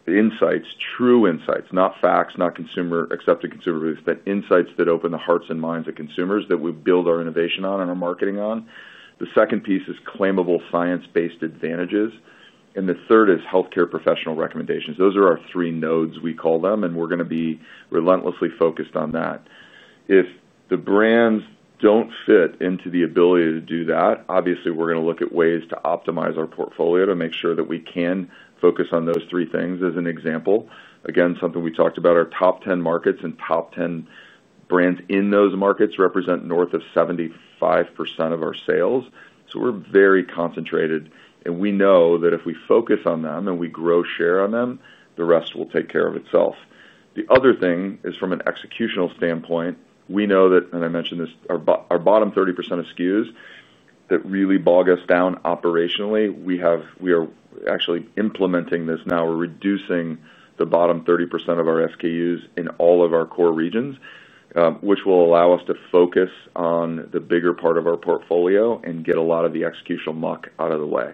insights, true insights, not facts, not accepted consumer beliefs, but insights that open the hearts and minds of consumers that we build our innovation on and our marketing on. The second piece is claimable science-based advantages. The third is healthcare professional recommendations. Those are our three nodes, we call them. We're going to be relentlessly focused on that. If the brands don't fit into the ability to do that, obviously, we're going to look at ways to optimize our portfolio to make sure that we can focus on those three things as an example. Again, something we talked about, our top 10 markets and top 10 brands in those markets represent north of 75% of our sales. We're very concentrated. We know that if we focus on them and we grow share on them, the rest will take care of itself. The other thing is from an executional standpoint, we know that, and I mentioned this, our bottom 30% of SKUs that really bog us down operationally, we are actually implementing this now. We're reducing the bottom 30% of our SKUs in all of our core regions, which will allow us to focus on the bigger part of our portfolio and get a lot of the executional muck out of the way.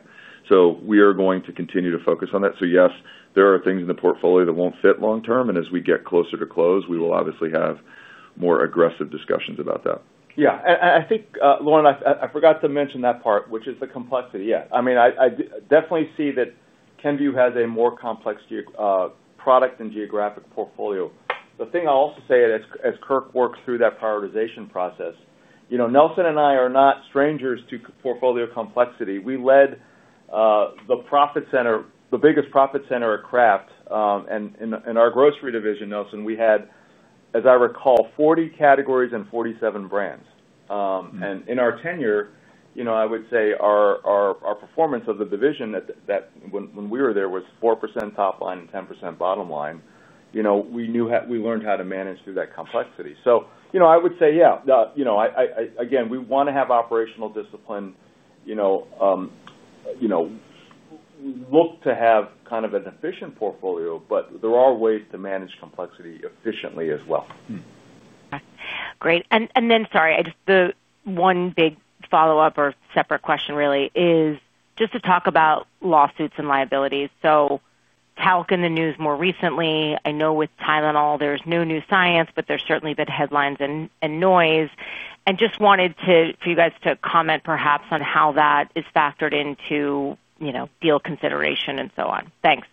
We are going to continue to focus on that. Yes, there are things in the portfolio that won't fit long-term. As we get closer to close, we will obviously have more aggressive discussions about that. I think, Lauren, I forgot to mention that part, which is the complexity. I mean, I definitely see that Kenvue has a more complex product and geographic portfolio. The thing I'll also say is, as Kirk works through that prioritization process, Nelson and I are not strangers to portfolio complexity. We led the biggest profit center at Kraft. In our grocery division, Nelson, we had, as I recall, 40 categories and 47 brands. In our tenure, I would say our performance of the division when we were there was 4% top line and 10% bottom line. We learned how to manage through that complexity. I would say, yeah, again, we want to have operational discipline, look to have kind of an efficient portfolio, but there are ways to manage complexity efficiently as well. Great. Sorry, the one big follow-up or separate question really is just to talk about lawsuits and liabilities. Talk in the news more recently. I know with Tylenol, there's no new science, but there's certainly been headlines and noise. I just wanted for you guys to comment perhaps on how that is factored into deal consideration and so on. Thanks.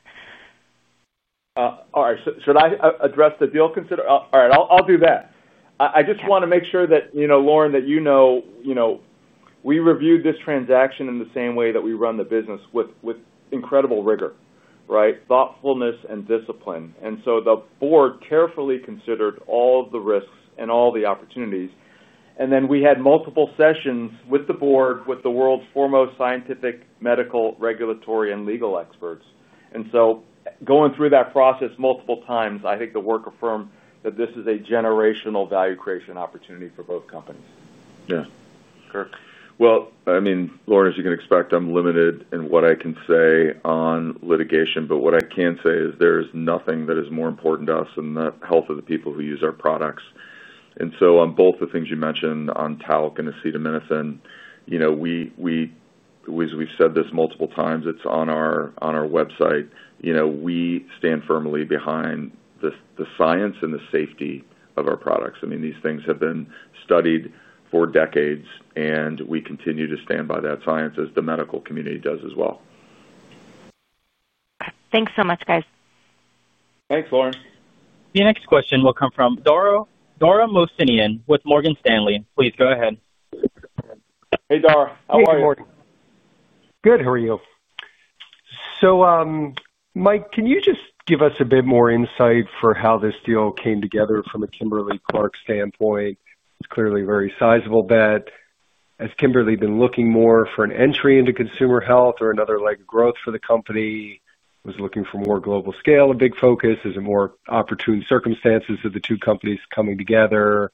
All right. Should I address the deal consideration? All right. I'll do that. I just want to make sure that, Lauren, that you know we reviewed this transaction in the same way that we run the business with incredible rigor, right? Thoughtfulness and discipline. The board carefully considered all of the risks and all the opportunities. We had multiple sessions with the board, with the world's foremost scientific, medical, regulatory, and legal experts. Going through that process multiple times, I think the work affirmed that this is a generational value creation opportunity for both companies. Yeah. Kirk. I mean, Lauren, as you can expect, I'm limited in what I can say on litigation. What I can say is there is nothing that is more important to us than the health of the people who use our products. On both the things you mentioned on talc and acetaminophen, as we've said this multiple times, it's on our website. We stand firmly behind the science and the safety of our products. These things have been studied for decades, and we continue to stand by that science as the medical community does as well. Thanks so much, guys. Thanks, Lauren. The next question will come from Dara Mohsenian with Morgan Stanley. Please go ahead. Hey, Dara. How are you? Good. How are you? Mike, can you just give us a bit more insight for how this deal came together from a Kimberly-Clark standpoint? It's clearly a very sizable bet. Has Kimberly been looking more for an entry into consumer health or another leg of growth for the company? Was looking for more global scale, a big focus? Is it more opportune circumstances of the two companies coming together?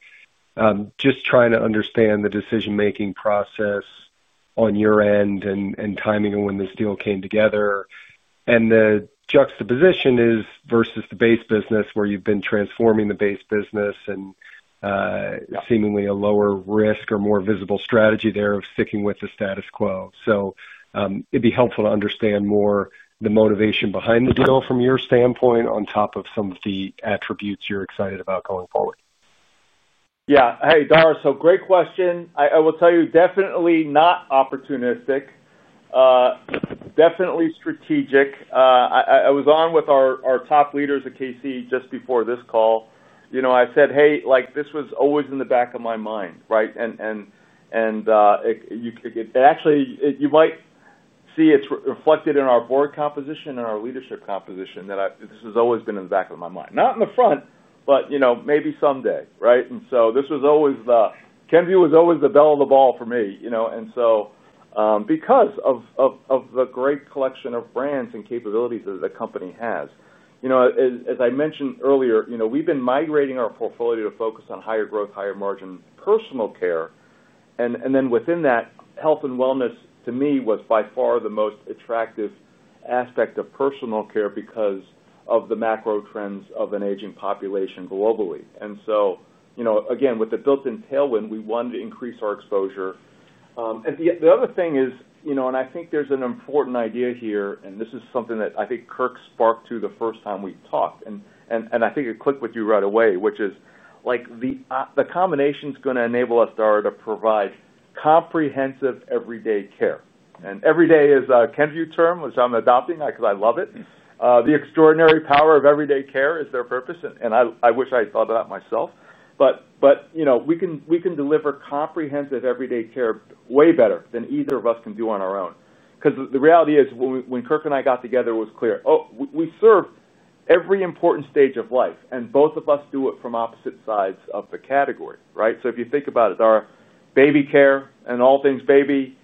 Just trying to understand the decision-making process on your end and timing of when this deal came together. The juxtaposition is versus the base business where you've been transforming the base business and seemingly a lower risk or more visible strategy there of sticking with the status quo. It'd be helpful to understand more the motivation behind the deal from your standpoint on top of some of the attributes you're excited about going forward. Yeah. Hey, Dara. Great question. I will tell you, definitely not opportunistic. Definitely strategic. I was on with our top leaders at KC just before this call. I said, "Hey, this was always in the back of my mind," right? Actually, you might see it's reflected in our board composition and our leadership composition that this has always been in the back of my mind. Not in the front, but maybe someday, right? This was always, the Kenvue was always the bell of the ball for me because of the great collection of brands and capabilities that the company has. As I mentioned earlier, we've been migrating our portfolio to focus on higher growth, higher margin, personal care. Within that, health and wellness, to me, was by far the most attractive aspect of personal care because of the macro trends of an aging population globally. With the built-in tailwind, we wanted to increase our exposure. The other thing is, and I think there's an important idea here, and this is something that I think Kirk sparked to the first time we talked. I think it clicked with you right away, which is, the combination is going to enable us, Dara, to provide comprehensive everyday care. Everyday is a Kenvue term which I'm adopting because I love it. The extraordinary power of everyday care is their purpose, and I wish I thought of that myself. We can deliver comprehensive everyday care way better than either of us can do on our own. The reality is, when Kirk and I got together, it was clear. Oh, we serve every important stage of life, and both of us do it from opposite sides of the category, right? If you think about it, Dara, baby care and all things baby.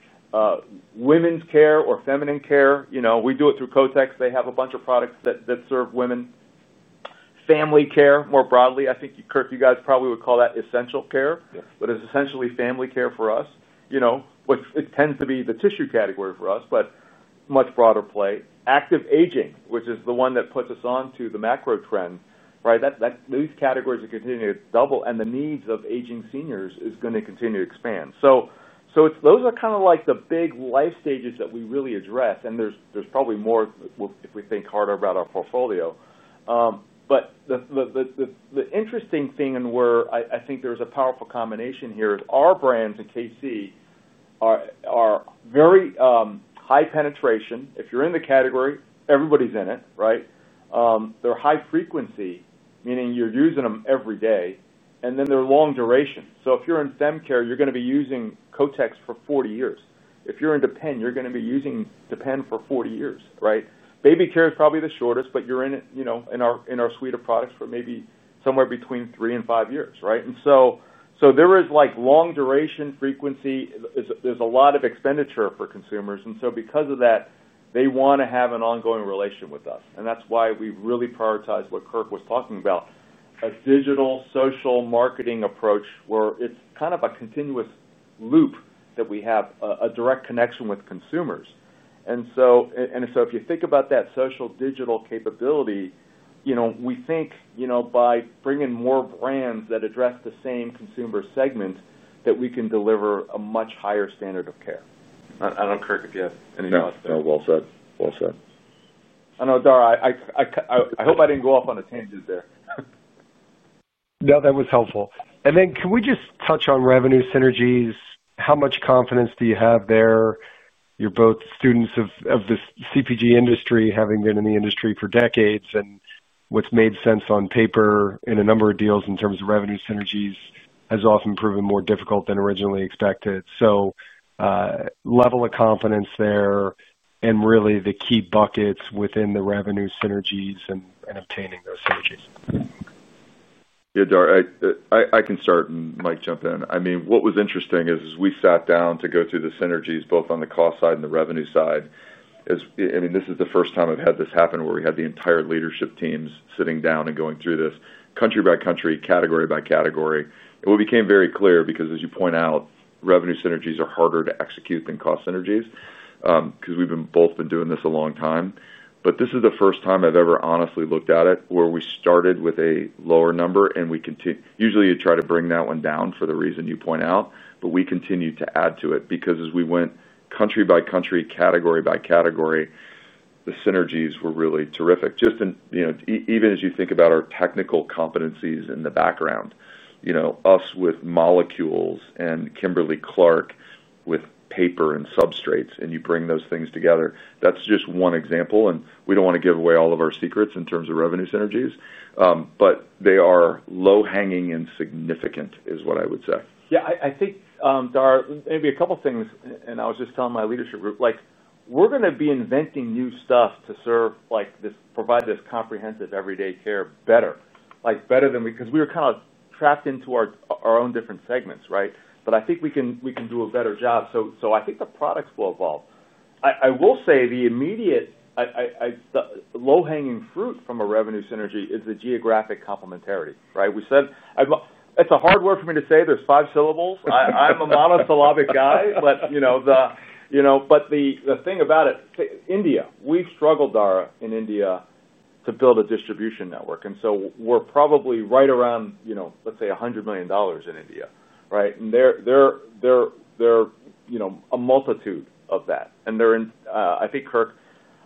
Women's care or feminine care, we do it through Kotex. They have a bunch of products that serve women. Family care more broadly. I think, Kirk, you guys probably would call that essential care, but it's essentially family care for us. It tends to be the tissue category for us, but much broader play. Active aging, which is the one that puts us on to the macro trend, right? Those categories are continuing to double, and the needs of aging seniors are going to continue to expand. Those are kind of like the big life stages that we really address, and there's probably more if we think harder about our portfolio. The interesting thing and where I think there's a powerful combination here is our brands at KC are very high penetration. If you're in the category, everybody's in it, right? They're high frequency, meaning you're using them every day. Then they're long duration. If you're in fem care, you're going to be using Kotex for 40 years. If you're in Depend, you're going to be using Depend for 40 years, right? Baby care is probably the shortest, but you're in our suite of products for maybe somewhere between three and five years, right? There is long duration, frequency. There's a lot of expenditure for consumers, and because of that, they want to have an ongoing relation with us. That's why we really prioritize what Kirk was talking about. A digital social marketing approach where it's kind of a continuous loop that we have a direct connection with consumers. If you think about that social digital capability, we think by bringing more brands that address the same consumer segment, that we can deliver a much higher standard of care. I don't know, Kirk, if you have any thoughts there. No. Well said. Well said. I know, Dara. I hope I didn't go off on a tangent there. No, that was helpful. Can we just touch on revenue synergies? How much confidence do you have there? You're both students of the CPG industry, having been in the industry for decades. What's made sense on paper in a number of deals in terms of revenue synergies has often proven more difficult than originally expected. Level of confidence there and really the key buckets within the revenue synergies and obtaining those synergies. Yeah, Dara, I can start and Mike jump in. What was interesting is we sat down to go through the synergies both on the cost side and the revenue side. This is the first time I've had this happen where we had the entire leadership teams sitting down and going through this country by country, category by category. We became very clear because, as you point out, revenue synergies are harder to execute than cost synergies because we've both been doing this a long time. This is the first time I've ever honestly looked at it where we started with a lower number and we continued. Usually, you try to bring that one down for the reason you point out. We continued to add to it because as we went country by country, category by category, the synergies were really terrific. Just even as you think about our technical competencies in the background. Us with molecules and Kimberly-Clark with paper and substrates, and you bring those things together. That's just one example. We don't want to give away all of our secrets in terms of revenue synergies. They are low-hanging and significant, is what I would say. Yeah. I think, Dara, maybe a couple of things. I was just telling my leadership group, we're going to be inventing new stuff to provide this comprehensive everyday care better. We were kind of trapped into our own different segments, right? I think we can do a better job. I think the products will evolve. I will say the immediate low-hanging fruit from a revenue synergy is the geographic complementarity, right? It's a hard word for me to say. There's five syllables. I'm a monosyllabic guy. The thing about it, India, we've struggled, Dara, in India to build a distribution network. We're probably right around, let's say, $100 million in India, right? There's a multitude of that. I think, Kirk,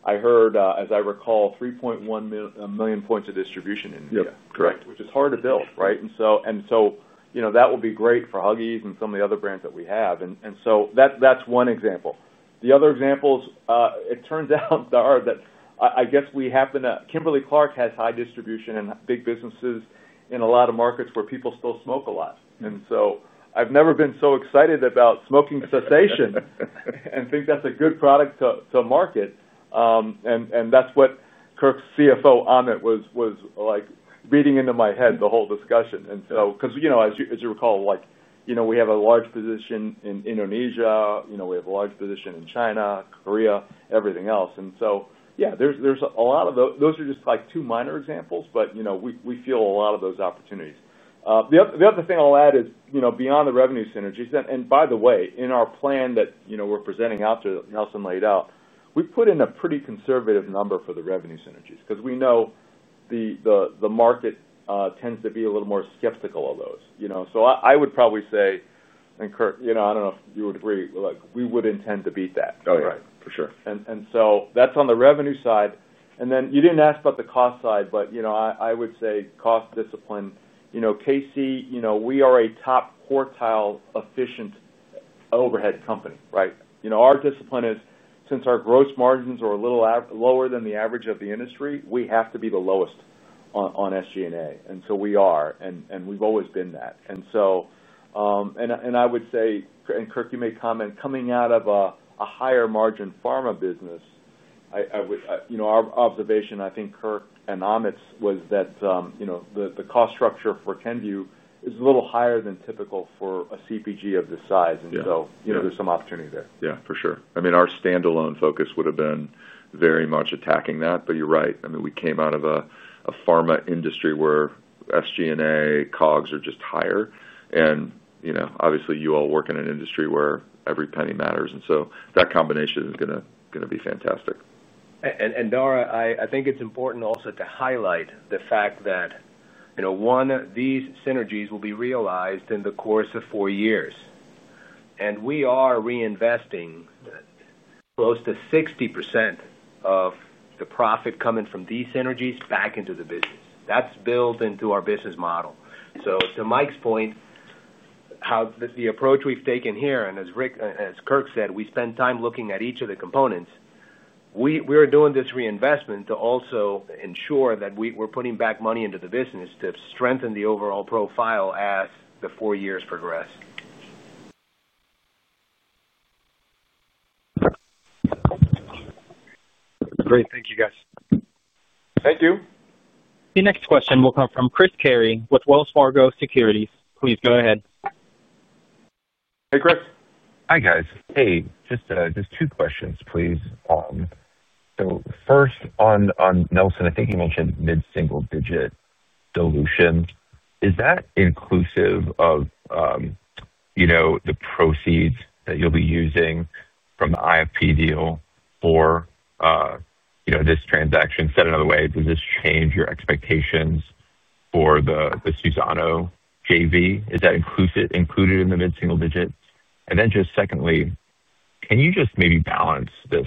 I heard, as I recall, 3.1 million points of distribution in India. Correct. Which is hard to build, right? That will be great for Huggies and some of the other brands that we have. That is one example. The other examples, it turns out, Dara, that I guess we happen to, Kimberly-Clark has high distribution and big businesses in a lot of markets where people still smoke a lot. I have never been so excited about smoking cessation and think that is a good product to market. That is what Kirk's CFO, Amit, was reading into my head the whole discussion. As you recall, we have a large position in Indonesia. We have a large position in China, Korea, everything else. There are a lot of those, those are just two minor examples, but we feel a lot of those opportunities. The other thing I will add is beyond the revenue synergies. By the way, in our plan that we are presenting after Nelson laid out, we put in a pretty conservative number for the revenue synergies because we know the market tends to be a little more skeptical of those. I would probably say, and Kirk, I do not know if you would agree, we would intend to beat that. Oh, yeah. For sure. That is on the revenue side. You did not ask about the cost side, but I would say cost discipline. KC, we are a top quartile efficient overhead company, right? Our discipline is, since our gross margins are a little lower than the average of the industry, we have to be the lowest on SG&A. We are, and we have always been that. I would say, and Kirk, you may comment, coming out of a higher margin pharma business, our observation, I think, Kirk and Amit's, was that the cost structure for Kenvue is a little higher than typical for a CPG of this size. There is some opportunity there. Yeah. For sure. I mean, our standalone focus would have been very much attacking that. You are right. I mean, we came out of a pharma industry where SG&A, Cogs are just higher. Obviously, you all work in an industry where every penny matters. That combination is going to be fantastic. Dara, I think it is important also to highlight the fact that, one, these synergies will be realized in the course of four years. We are reinvesting close to 60% of the profit coming from these synergies back into the business. That is built into our business model. To Mike's point, the approach we have taken here, and as Kirk said, we spend time looking at each of the components. We are doing this reinvestment to also ensure that we are putting back money into the business to strengthen the overall profile as the four years progress. Great. Thank you, guys. Thank you. The next question will come from Chris Carey with Wells Fargo Securities. Please go ahead. Hey, Chris. Hi, guys. Hey, just two questions, please. So first, on Nelson, I think you mentioned mid-single digit dilution. Is that inclusive of the proceeds that you'll be using from the IFP deal for this transaction? Said another way, does this change your expectations for the Suzano JV? Is that included in the mid-single digit? And then just secondly, can you just maybe balance this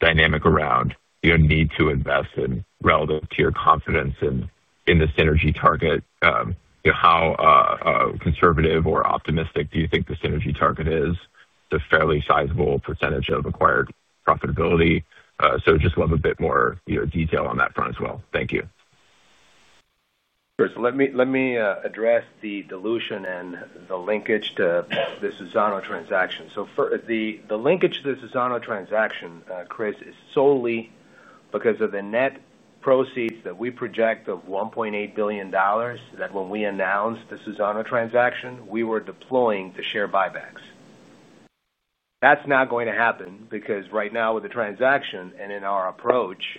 dynamic around need to invest in relative to your confidence in the synergy target? How conservative or optimistic do you think the synergy target is? A fairly sizable percentage of acquired profitability. So just love a bit more detail on that front as well. Thank you. Chris, let me address the dilution and the linkage to the Suzano transaction. So the linkage to the Suzano transaction, Chris, is solely because of the net proceeds that we project of $1.8 billion that when we announced the Suzano transaction, we were deploying to share buybacks. That's not going to happen because right now with the transaction and in our approach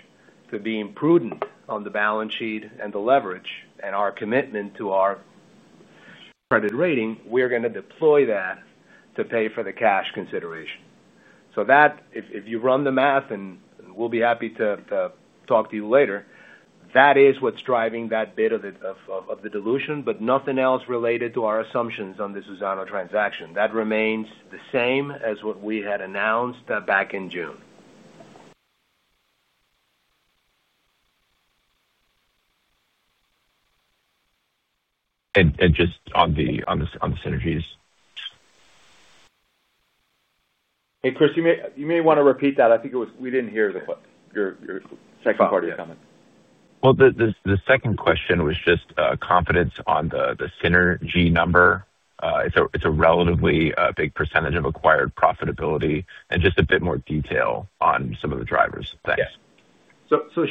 to being prudent on the balance sheet and the leverage and our commitment to our credit rating, we're going to deploy that to pay for the cash consideration. So if you run the math, and we'll be happy to talk to you later, that is what's driving that bit of the dilution, but nothing else related to our assumptions on the Suzano transaction. That remains the same as what we had announced back in June. And just on the synergies. Hey, Chris, you may want to repeat that. I think we didn't hear your second part of your comment. The second question was just confidence on the synergy number. It's a relatively big percentage of acquired profitability. And just a bit more detail on some of the drivers. Thanks.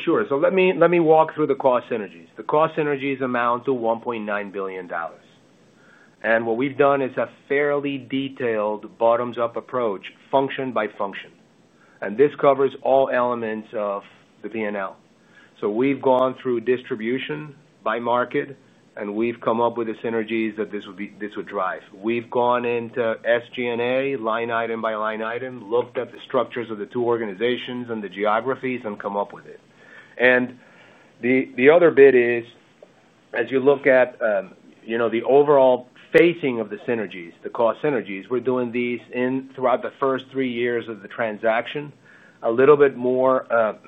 Sure. So let me walk through the cost synergies. The cost synergies amount to $1.9 billion. And what we've done is a fairly detailed bottoms-up approach, function by function. And this covers all elements of the P&L. We've gone through distribution by market, and we've come up with the synergies that this would drive. We've gone into SG&A, line item by line item, looked at the structures of the two organizations and the geographies and come up with it. The other bit is as you look at the overall facing of the synergies, the cost synergies, we're doing these throughout the first three years of the transaction, a little bit more of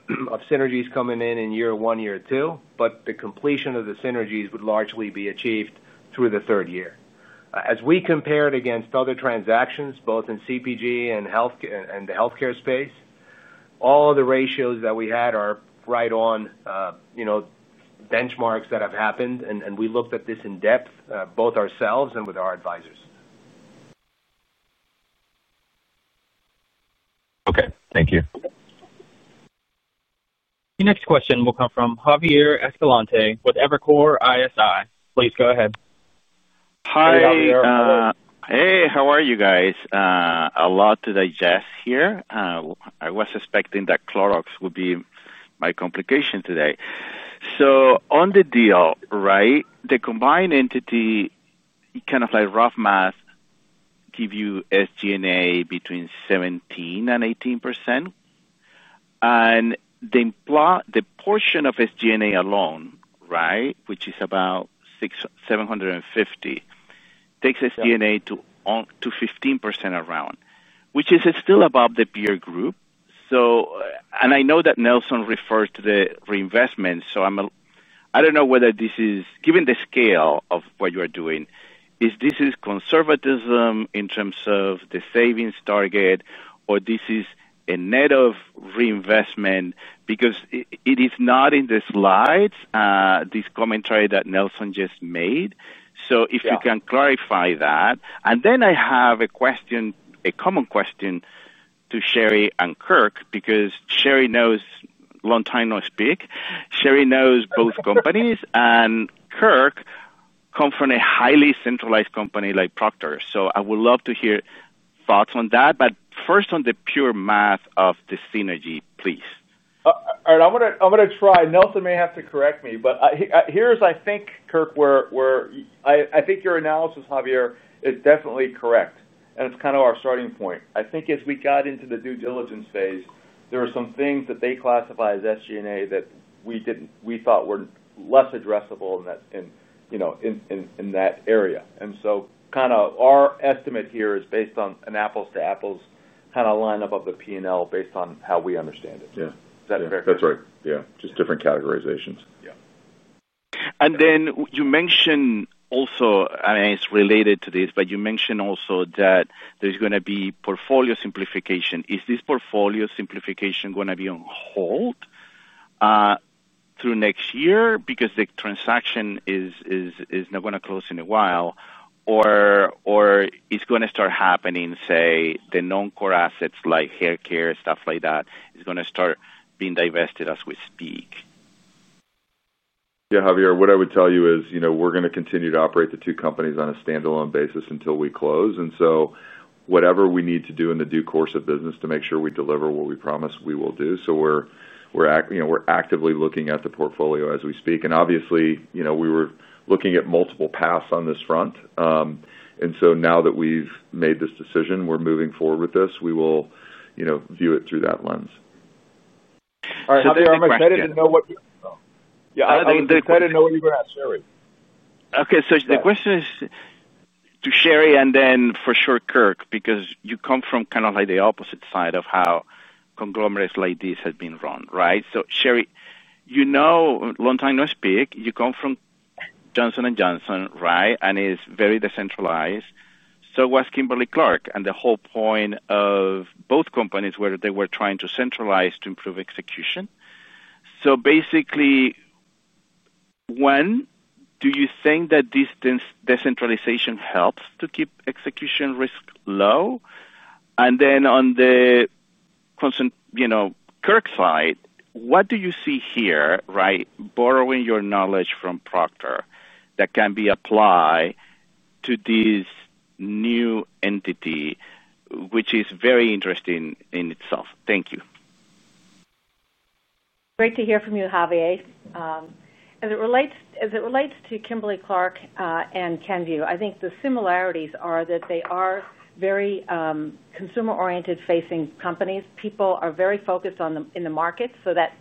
synergies coming in in year one, year two, but the completion of the synergies would largely be achieved through the third year. As we compared against other transactions, both in CPG and the healthcare space, all of the ratios that we had are right on benchmarks that have happened. We looked at this in depth, both ourselves and with our advisors. Okay. Thank you. The next question will come from Javier Escalante with Evercore ISI. Please go ahead. Hi, Javier Hey, how are you guys? A lot to digest here. I was expecting that Clorox would be my complication today. On the deal, right, the combined entity, kind of like rough math, gives you SG&A between 17-18%. The portion of SG&A alone, right, which is about $750 million, takes SG&A to 15% around, which is still above the peer group. I know that Nelson referred to the reinvestment. I do not know whether this is, given the scale of what you are doing, is this conservatism in terms of the savings target, or is this a net of reinvestment? Because it is not in the slides, this commentary that Nelson just made. If you can clarify that. I have a common question to Sherry and Kirk because Sherry, long time no speak. Sheri knows both companies. Kirk comes from a highly centralized company like Procter. I would love to hear thoughts on that. First, on the pure math of the synergy, please. All right. I am going to try. Nelson may have to correct me. Here is, I think, Kirk, where I think your analysis, Javier, is definitely correct. It is kind of our starting point. As we got into the due diligence phase, there were some things that they classify as SG&A that we thought were less addressable in that area. Our estimate here is based on an apples-to-apples kind of lineup of the P&L based on how we understand it. Is that fair? Yeah. That is right. Yeah. Just different categorizations. Yeah. You mentioned also, and it is related to this, but you mentioned also that there is going to be portfolio simplification. Is this portfolio simplification going to be on hold through next year because the transaction is not going to close in a while? Or is it going to start happening, say, the non-core assets like haircare, stuff like that, is going to start being divested as we speak? Yeah, Javier, what I would tell you is we are going to continue to operate the two companies on a standalone basis until we close. Whatever we need to do in the due course of business to make sure we deliver what we promise, we will do. We are actively looking at the portfolio as we speak. Obviously, we were looking at multiple paths on this front. Now that we have made this decision, we are moving forward with this. We will view it through that lens. All right. I am excited to know what you are going to tell. Yeah. I am excited to know what you are going to ask Sherry. Okay. The question is to Sherry and then for sure Kirk because you come from kind of like the opposite side of how conglomerates like this have been run, right? Sherry, you know, a long time no speak. You come from Johnson & Johnson, right? And it is very decentralized. So was Kimberly-Clark. The whole point of both companies was they were trying to centralize to improve execution. Basically, one, do you think that this decentralization helps to keep execution risk low? On the Kirk side, what do you see here, right, borrowing your knowledge from Procter that can be applied to this new entity, which is very interesting in itself? Thank you. Great to hear from you, Javier. As it relates to Kimberly-Clark and Kenvue, I think the similarities are that they are very consumer-oriented-facing companies. People are very focused in the market. That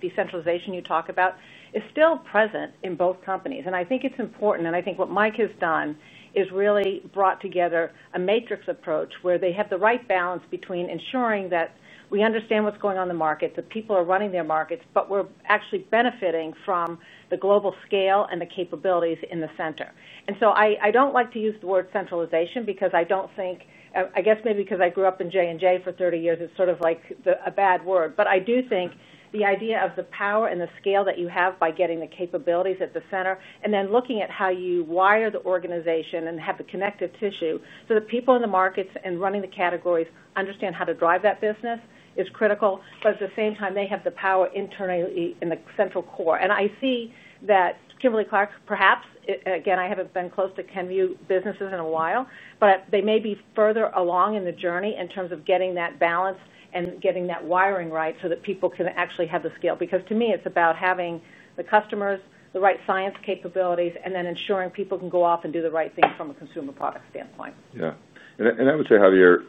decentralization you talk about is still present in both companies. I think it is important. I think what Mike has done is really brought together a matrix approach where they have the right balance between ensuring that we understand what is going on in the market, that people are running their markets, but we are actually benefiting from the global scale and the capabilities in the center. I do not like to use the word centralization because I do not think, I guess maybe because I grew up in J&J for 30 years, it is sort of like a bad word. I do think the idea of the power and the scale that you have by getting the capabilities at the center and then looking at how you wire the organization and have the connective tissue so that people in the markets and running the categories understand how to drive that business is critical. At the same time, they have the power internally in the central core. I see that Kimberly-Clark, perhaps, again, I have not been close to Kenvue businesses in a while, but they may be further along in the journey in terms of getting that balance and getting that wiring right so that people can actually have the scale. To me, it is about having the customers, the right science capabilities, and then ensuring people can go off and do the right thing from a consumer product standpoint. Yeah. I would say, Javier,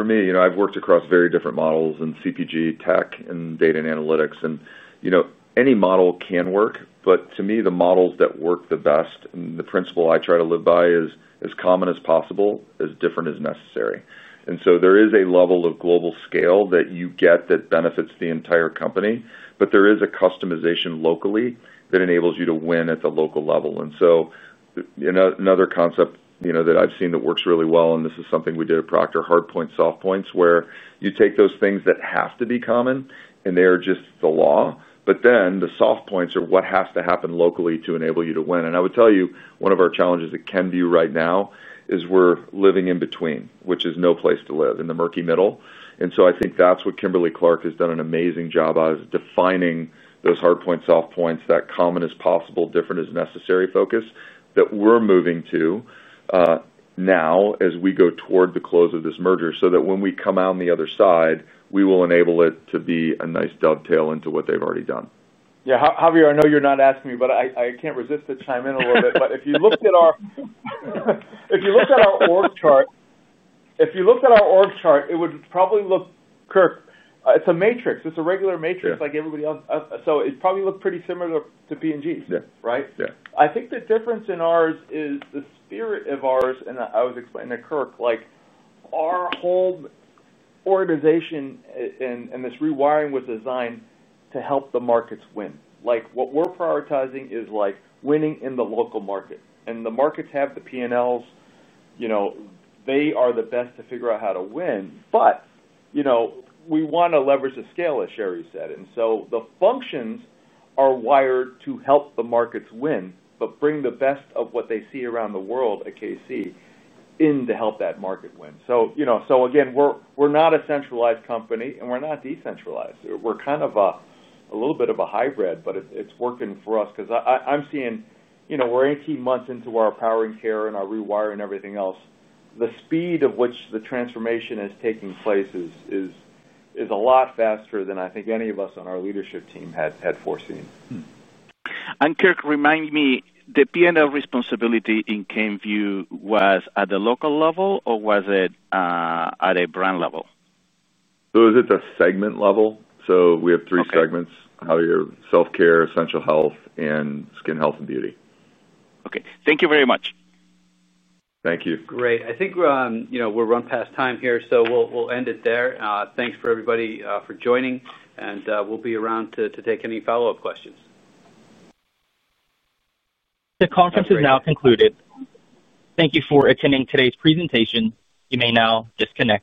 for me, I have worked across very different models in CPG tech and data and analytics. Any model can work. To me, the models that work the best, and the principle I try to live by, is as common as possible, as different as necessary. There is a level of global scale that you get that benefits the entire company. There is a customization locally that enables you to win at the local level. Another concept that I have seen that works really well, and this is something we did at Procter, hard points, soft points, where you take those things that have to be common, and they are just the law. The soft points are what has to happen locally to enable you to win. I would tell you one of our challenges at Kenvue right now is we're living in between, which is no place to live, in the murky middle. I think that's what Kimberly-Clark has done an amazing job of, defining those hard points, soft points, that common as possible, different as necessary focus that we're moving to Now as we go toward the close of this merger so that when we come out on the other side, we will enable it to be a nice dovetail into what they've already done. Yeah. Javier, I know you're not asking me, but I can't resist to chime in a little bit. If you looked at our org chart, if you looked at our org chart, it would probably look, Kirk, it's a matrix. It's a regular matrix like everybody else. It probably looks pretty similar to P&G's, right? I think the difference in ours is the spirit of ours, and I was explaining to Kirk. Our whole organization and this rewiring was designed to help the markets win. What we're prioritizing is winning in the local market. The markets have the P&Ls. They are the best to figure out how to win. We want to leverage the scale, as Sherry said. The functions are wired to help the markets win, but bring the best of what they see around the world at KC in to help that market win. Again, we're not a centralized company, and we're not decentralized. We're kind of a little bit of a hybrid, but it's working for us because I'm seeing we're 18 months into our power and care and our rewiring and everything else. The speed of which the transformation is taking place is a lot faster than I think any of us on our leadership team had foreseen. Kirk, remind me, the P&L responsibility in Kenvue was at the local level, or was it at a brand level? It was at the segment level. We have three segments: self-care, essential health, and skin health and beauty. Okay. Thank you very much. Thank you. I think we've run past time here, so we'll end it there. Thanks for everybody for joining. We'll be around to take any follow-up questions. The conference is now concluded. Thank you for attending today's presentation. You may now disconnect.